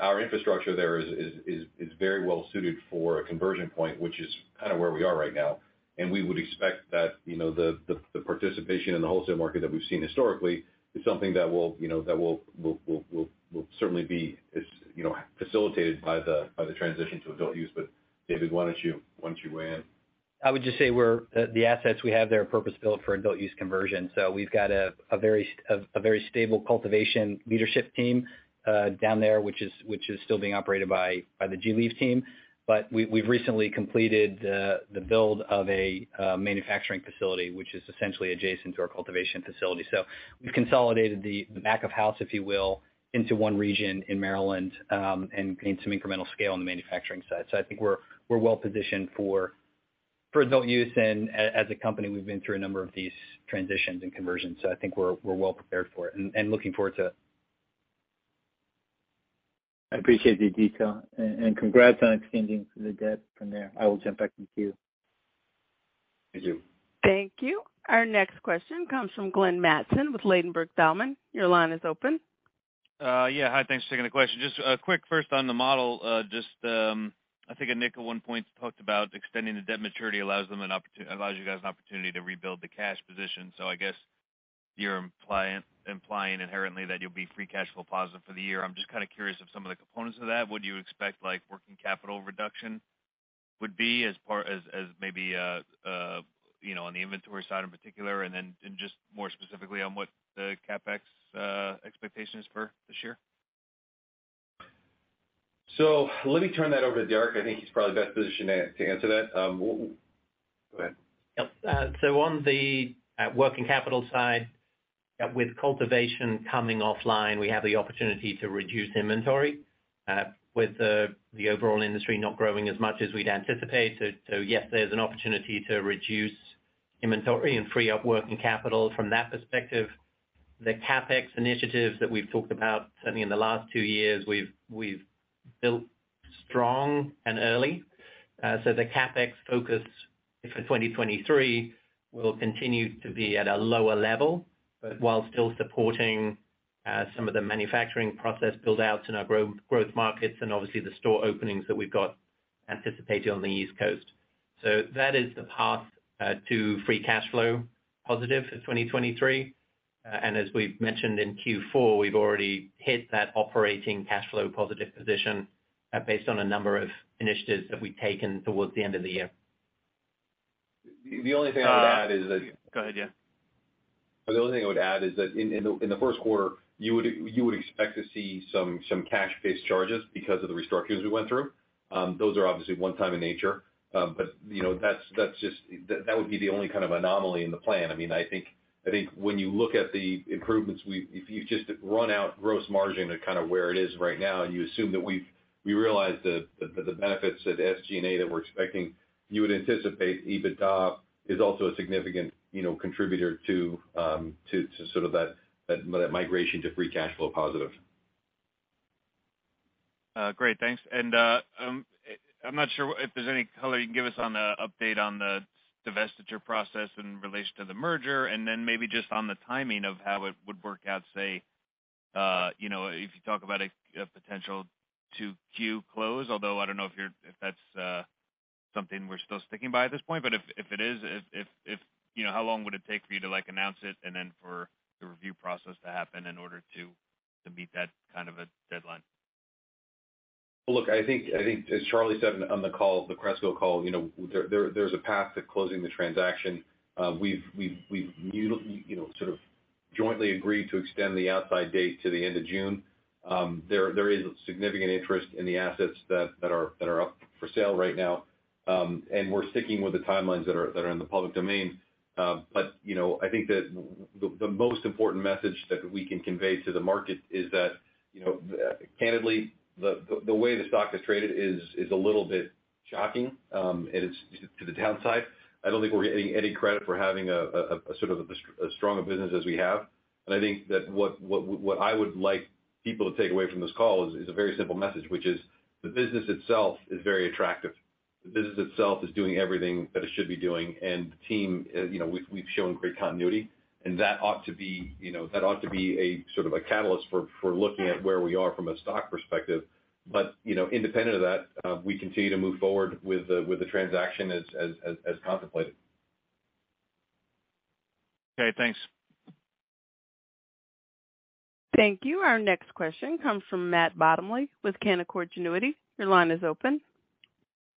Our infrastructure there is very well suited for a conversion point, which is kind of where we are right now. We would expect that, you know, the participation in the wholesale market that we've seen historically is something that will, you know, that will certainly be as, you know, facilitated by the transition to adult use. David, why don't you, why don't you weigh in? I would just say we're. The assets we have there are purpose-built for adult use conversion. We've got a very stable cultivation leadership team down there, which is still being operated by the gLeaf team. We've recently completed the build of a manufacturing facility, which is essentially adjacent to our cultivation facility. We consolidated the back of house, if you will, into one region in Maryland, and gained some incremental scale on the manufacturing side. I think we're well positioned for adult use. As a company, we've been through a number of these transitions and conversions, so I think we're well prepared for it and looking forward to it. I appreciate the detail. Congrats on extending the debt from there. I will jump back in the queue. Thank you. Thank you. Our next question comes from Glenn Mattson with Ladenburg Thalmann. Your line is open. Yeah. Hi, thanks for taking the question. Just a quick first on the model. Just, I think Nick at one point talked about extending the debt maturity allows them allows you guys an opportunity to rebuild the cash position. I guess you're implying inherently that you'll be free cash flow positive for the year. I'm just kind of curious of some of the components of that. Would you expect like working capital reduction would be as part as maybe, you know, on the inventory side in particular? Then, just more specifically on what the CapEx expectation is for this year. Let me turn that over to Derek. I think he's probably best positioned to answer that. Go ahead. Yep. So on the working capital side, with cultivation coming offline, we have the opportunity to reduce inventory with the overall industry not growing as much as we'd anticipate. Yes, there's an opportunity to reduce inventory and free up working capital from that perspective. The CapEx initiatives that we've talked about, certainly in the last 2 years, we've built strong and early. The CapEx focus for 2023 will continue to be at a lower level, but while still supporting some of the manufacturing process buildouts in our grow-growth markets and obviously the store openings that we've got anticipated on the East Coast. That is the path to free cash flow positive for 2023. As we've mentioned in Q4, we've already hit that operating cash flow positive position, based on a number of initiatives that we've taken towards the end of the year. The only thing I would add is that-. Go ahead, yeah. The only thing I would add is that in the Q1, you would expect to see some cash-based charges because of the restructures we went through. Those are obviously one time in nature. You know, that's just. That would be the only kind of anomaly in the plan. I mean, I think when you look at the improvements, we. If you just run out gross margin to kind of where it is right now, and you assume that we realize the benefits of SG&A that we're expecting, you would anticipate EBITDA is also a significant, you know, contributor to sort of that migration to free cash flow positive. Great. Thanks. I'm not sure if there's any color you can give us on the update on the divestiture process in relation to the merger and then maybe just on the timing of how it would work out, say, you know, if you talk about a potential Q2 close. Although I don't know if that's something we're still sticking by at this point. If it is, you know, how long would it take for you to, like, announce it and then for the review process to happen in order to meet that kind of a deadline? Look, I think as Charlie said on the call, the Cresco call, you know, there's a path to closing the transaction. We've, you know, sort of jointly agreed to extend the outside date to the end of June. There is significant interest in the assets that are up for sale right now. We're sticking with the timelines that are in the public domain. You know, I think that the most important message that we can convey to the market is that, you know, candidly, the way the stock is traded is a little bit shocking, and it's to the downside. I don't think we're getting any credit for having a sort of as strong a business as we have. I think that what I would like people to take away from this call is a very simple message, which is the business itself is very attractive. The business itself is doing everything that it should be doing, and the team, you know, we've shown great continuity, and that ought to be, you know, that ought to be a sort of a catalyst for looking at where we are from a stock perspective. You know, independent of that, we continue to move forward with the transaction as contemplated. Okay, thanks. Thank you. Our next question comes from Matt Bottomley with Canaccord Genuity. Your line is open.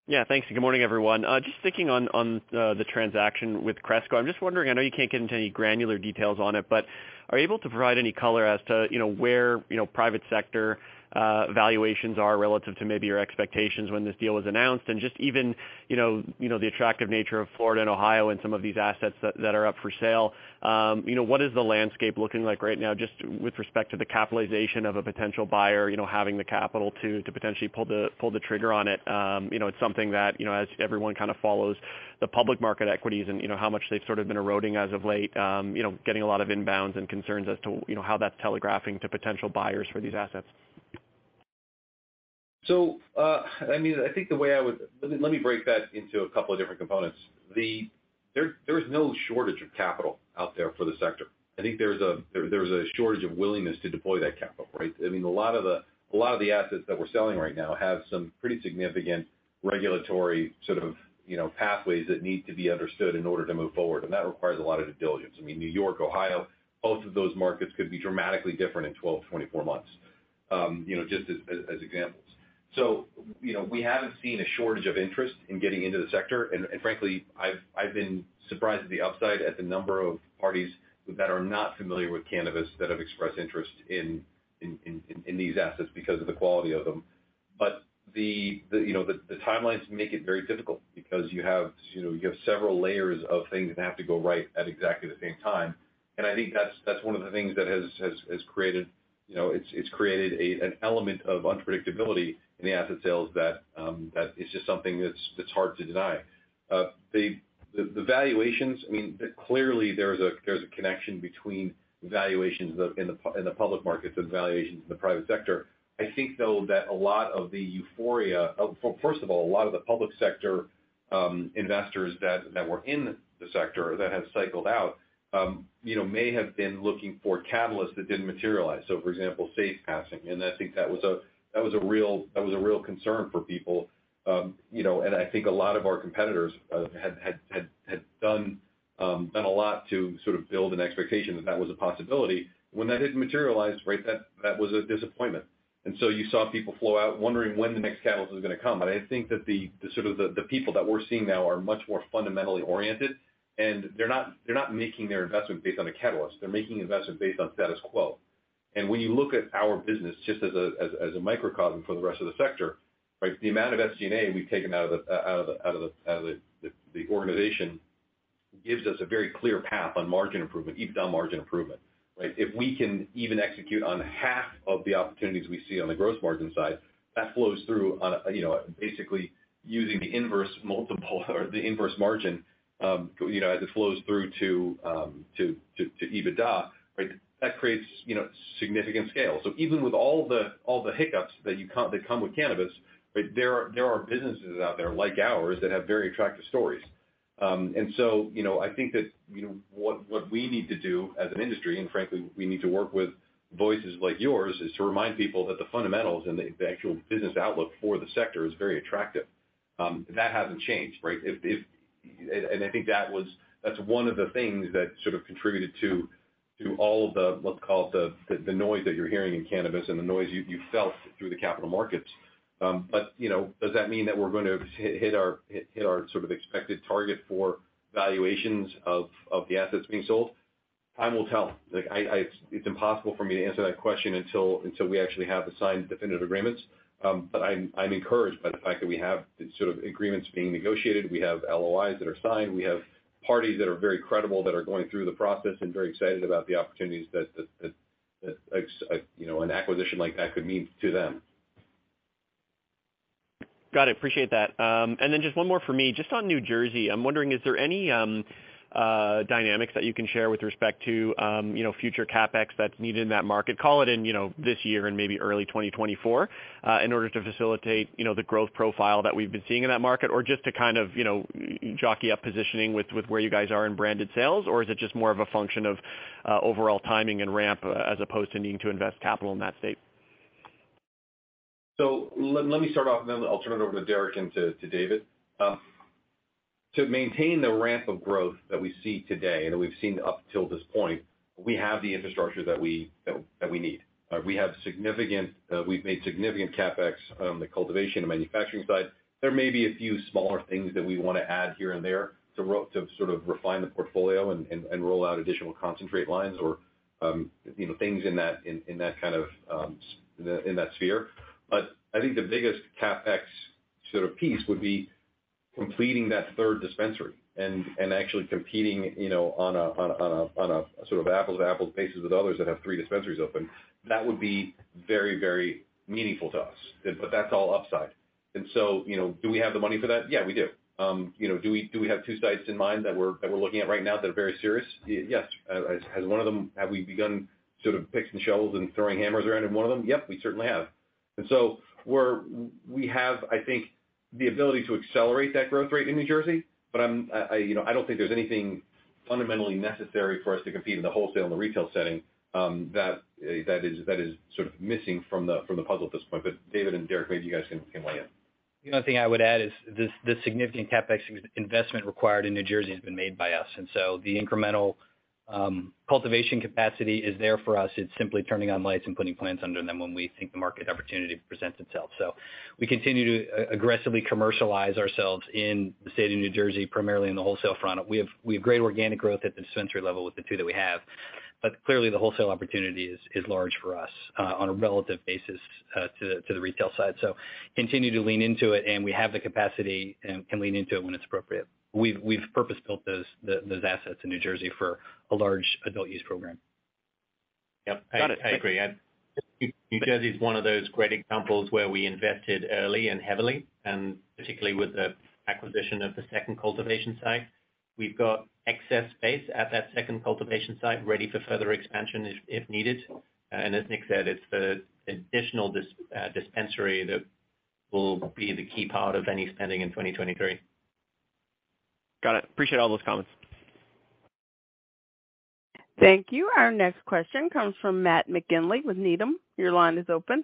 Yeah. Thanks and good morning, everyone. just sticking on the transaction with Cresco. I'm just wondering, I know you can't get into any granular details on it, but are you able to provide any color as to, you know, where, you know, private sector valuations are relative to maybe your expectations when this deal was announced? just even, you know, the attractive nature of Florida and Ohio and some of these assets that are up for sale. you know, what is the landscape looking like right now, just with respect to the capitalization of a potential buyer, you know, having the capital to potentially pull the trigger on it? You know, it's something that, you know, as everyone kind of follows the public market equities and, you know, how much they've sort of been eroding as of late, you know, getting a lot of inbounds and concerns as to, you know, how that's telegraphing to potential buyers for these assets. I mean, I think the way I would... Let me, let me break that into a couple of different components. There is no shortage of capital out there for the sector. I think there's a shortage of willingness to deploy that capital, right? I mean, a lot of the assets that we're selling right now have some pretty significant regulatory sort of, you know, pathways that need to be understood in order to move forward, and that requires a lot of due diligence. I mean, New York, Ohio, both of those markets could be dramatically different in 12-24 months, you know, just as examples. You know, we haven't seen a shortage of interest in getting into the sector, and frankly, I've been surprised at the upside at the number of parties that are not familiar with cannabis that have expressed interest in these assets because of the quality of them. The, you know, the timelines make it very difficult because you have, you know, you have several layers of things that have to go right at exactly the same time. I think that's one of the things that has created, you know, it's created a, an element of unpredictability in the asset sales that is just something that's hard to deny. The valuations, I mean, clearly there's a connection between valuations of, in the public markets and valuations in the private sector. I think, though, that a lot of the euphoria of... First of all, a lot of the public sector investors that were in the sector that have cycled out, you know, may have been looking for catalysts that didn't materialize. For example, SAFE passing, and I think that was a real concern for people. You know, and I think a lot of our competitors had done a lot to sort of build an expectation that that was a possibility. When that didn't materialize, right? That was a disappointment. You saw people flow out wondering when the next catalyst was gonna come. I think that the sort of the people that we're seeing now are much more fundamentally oriented, and they're not, they're not making their investment based on a catalyst. They're making investment based on status quo. When you look at our business just as a microcosm for the rest of the sector, right. The amount of SG&A we've taken out of the organization gives us a very clear path on margin improvement, EBITDA margin improvement, right. If we can even execute on half of the opportunities we see on the gross margin side, that flows through on a, you know, basically using the inverse multiple or the inverse margin, you know, as it flows through to EBITDA, right. That creates, you know, significant scale. Even with all the, all the hiccups that come with cannabis, right? There are businesses out there like ours that have very attractive stories. You know, I think that, you know, what we need to do as an industry, and frankly, we need to work with voices like yours, is to remind people that the fundamentals and the actual business outlook for the sector is very attractive. That hasn't changed, right? I think that was, that's one of the things that sort of contributed to all of the, let's call it the noise that you're hearing in cannabis and the noise you felt through the capital markets. You know, does that mean that we're going to hit our sort of expected target for valuations of the assets being sold? Time will tell. Like, I... It's, it's impossible for me to answer that question until we actually have the signed definitive agreements. I'm encouraged by the fact that we have the sort of agreements being negotiated. We have LOIs that are signed. We have parties that are very credible that are going through the process and very excited about the opportunities that, you know, an acquisition like that could mean to them. Got it. Appreciate that. Then just one more for me. Just on New Jersey, I'm wondering, is there any dynamics that you can share with respect to, you know, future CapEx that's needed in that market? Call it in, you know, this year and maybe early 2024, in order to facilitate, you know, the growth profile that we've been seeing in that market, or just to kind of, you know, jockey up positioning with where you guys are in branded sales? Is it just more of a function of overall timing and ramp as opposed to needing to invest capital in that state? Let me start off and then I'll turn it over to Derek and to David. To maintain the ramp of growth that we see today and that we've seen up till this point, we have the infrastructure that we need, right? We've made significant CapEx on the cultivation and manufacturing side. There may be a few smaller things that we want to add here and there to sort of refine the portfolio and roll out additional concentrate lines or, you know, things in that kind of in that sphere. I think the biggest CapEx sort of piece would be completing that third dispensary and actually competing, you know, on a sort of apples-to-apples basis with others that have three dispensaries open. That would be very, very meaningful to us. That's all upside. You know, do we have the money for that? Yeah, we do. You know, do we have two sites in mind that we're looking at right now that are very serious? Yes. Has one of them, have we begun sort of picks and shovels and throwing hammers around in one of them? Yep, we certainly have. We have, I think, the ability to accelerate that growth rate in New Jersey, but I, you know, I don't think there's anything fundamentally necessary for us to compete in the wholesale and the retail setting, that is sort of missing from the puzzle at this point. David and Derek, maybe you guys can weigh in. The only thing I would add is the significant CapEx investment required in New Jersey has been made by us. The incremental cultivation capacity is there for us. It's simply turning on lights and putting plants under them when we think the market opportunity presents itself. We continue to aggressively commercialize ourselves in the state of New Jersey, primarily in the wholesale front. We have great organic growth at the dispensary level with the two that we have, but clearly the wholesale opportunity is large for us on a relative basis to the retail side. Continue to lean into it, and we have the capacity and can lean into it when it's appropriate. We've purpose-built those assets in New Jersey for a large adult use program. Yep. I agree. New Jersey is one of those great examples where we invested early and heavily, and particularly with the acquisition of the second cultivation site. We've got excess space at that second cultivation site ready for further expansion if needed. As Nick said, it's the additional dispensary that will be the key part of any spending in 2023. Got it. Appreciate all those comments. Thank you. Our next question comes from Matt McGinley with Needham. Your line is open.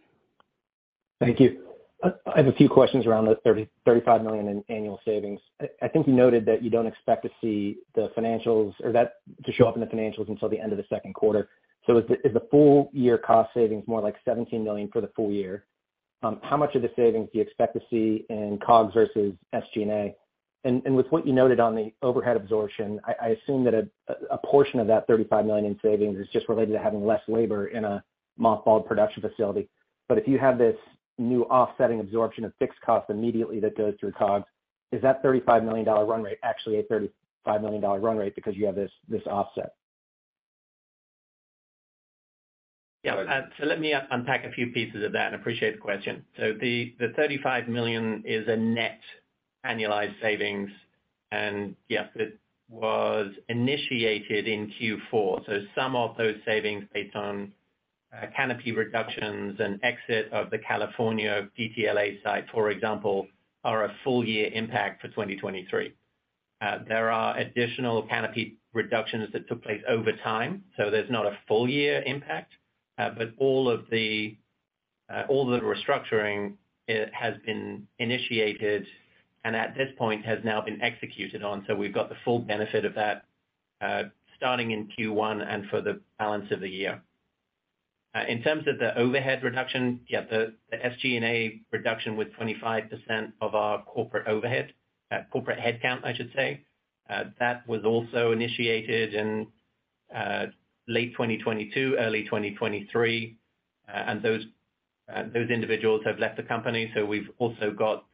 Thank you. I have a few questions around the $30 million-$35 million in annual savings. I think you noted that you don't expect to see the financials or that to show up in the financials until the end of the Q2. Is the full year cost savings more like $17 million for the full year? How much of the savings do you expect to see in COGS versus SG&A? With what you noted on the overhead absorption, I assume that a portion of that $35 million in savings is just related to having less labor in a mothballed production facility. If you have this new offsetting absorption of fixed costs immediately that goes through COGS, is that $35 million run rate actually a $35 million run rate because you have this offset? Yeah. Let me unpack a few pieces of that and appreciate the question. The $35 million is a net annualized savings. Yes, it was initiated in Q4. Some of those savings based on canopy reductions and exit of the California DTLA site, for example, are a full year impact for 2023. There are additional canopy reductions that took place over time, so there's not a full year impact. All of the, all the restructuring, it has been initiated and at this point has now been executed on. We've got the full benefit of that, starting in Q1 and for the balance of the year. In terms of the overhead reduction, yeah, the SG&A reduction with 25% of our corporate overhead, corporate headcount, I should say, that was also initiated in late 2022, early 2023. Those individuals have left the company. We've also got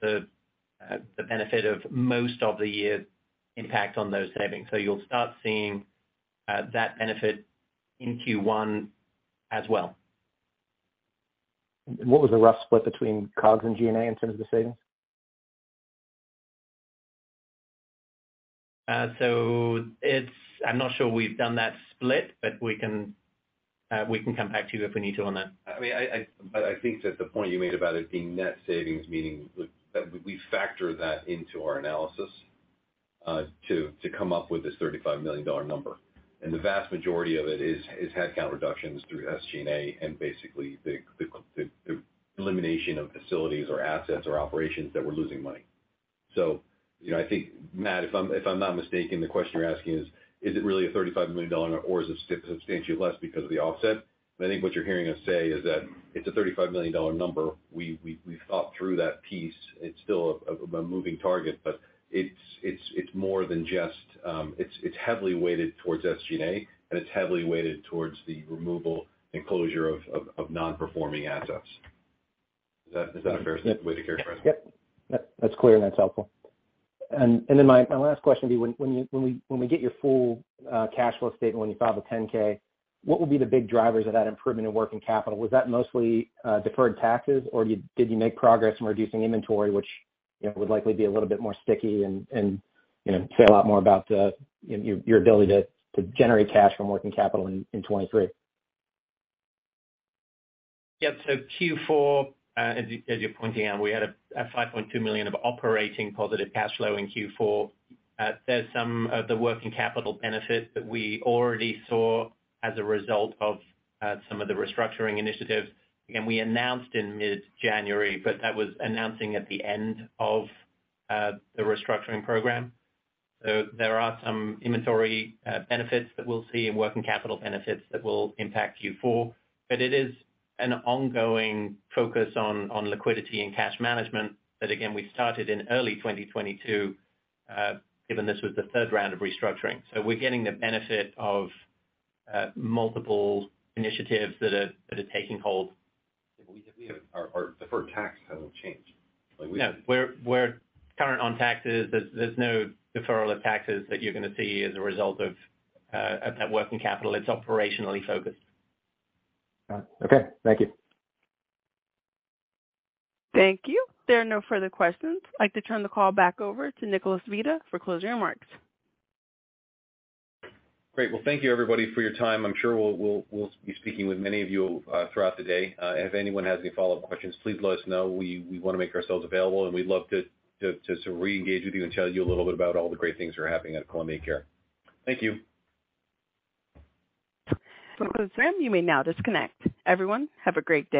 the benefit of most of the year impact on those savings. You'll start seeing that benefit in Q1 as well. What was the rough split between COGS and G&A in terms of the savings? It's... I'm not sure we've done that split, but we can, we can come back to you if we need to on that. I mean, I think that the point you made about it being net savings, meaning that we factor that into our analysis to come up with this $35 million number. The vast majority of it is headcount reductions through SG&A and basically the elimination of facilities or assets or operations that were losing money. You know, I think, Matt, if I'm not mistaken, the question you're asking is it really a $35 million or is it substantially less because of the offset? I think what you're hearing us say is that it's a $35 million number. We've thought through that piece. It's still a moving target, but it's more than just. It's heavily weighted towards SG&A, and it's heavily weighted towards the removal and closure of non-performing assets. Is that a fair way to characterize it? Yep. Yep. That's clear and that's helpful. Then my last question would be when you, when we, when we get your full cash flow statement when you file the 10-K, what would be the big drivers of that improvement in working capital? Was that mostly deferred taxes, or did you make progress in reducing inventory, which, you know, would likely be a little bit more sticky and, you know, say a lot more about the, you know, your ability to generate cash from working capital in 2023? As you're pointing out, we had a $5.2 million of operating positive cash flow in Q4. There's some of the working capital benefit that we already saw as a result of some of the restructuring initiatives. Again, we announced in mid-January, but that was announcing at the end of the restructuring program. There are some inventory benefits that we'll see and working capital benefits that will impact Q4. It is an ongoing focus on liquidity and cash management that again, we started in early 2022, given this was the third round of restructuring. We're getting the benefit of multiple initiatives that are taking hold. Our deferred tax hasn't changed. Like, No. We're current on taxes. There's no deferral of taxes that you're gonna see as a result of that working capital. It's operationally focused. Got it. Okay. Thank you. Thank you. There are no further questions. I'd like to turn the call back over to Nicholas Vita for closing remarks. Great. Well, thank you everybody for your time. I'm sure we'll be speaking with many of you throughout the day. If anyone has any follow-up questions, please let us know. We wanna make ourselves available, and we'd love to re-engage with you and tell you a little bit about all the great things that are happening at Columbia Care. Thank you. That concludes everything. You may now disconnect. Everyone, have a great day.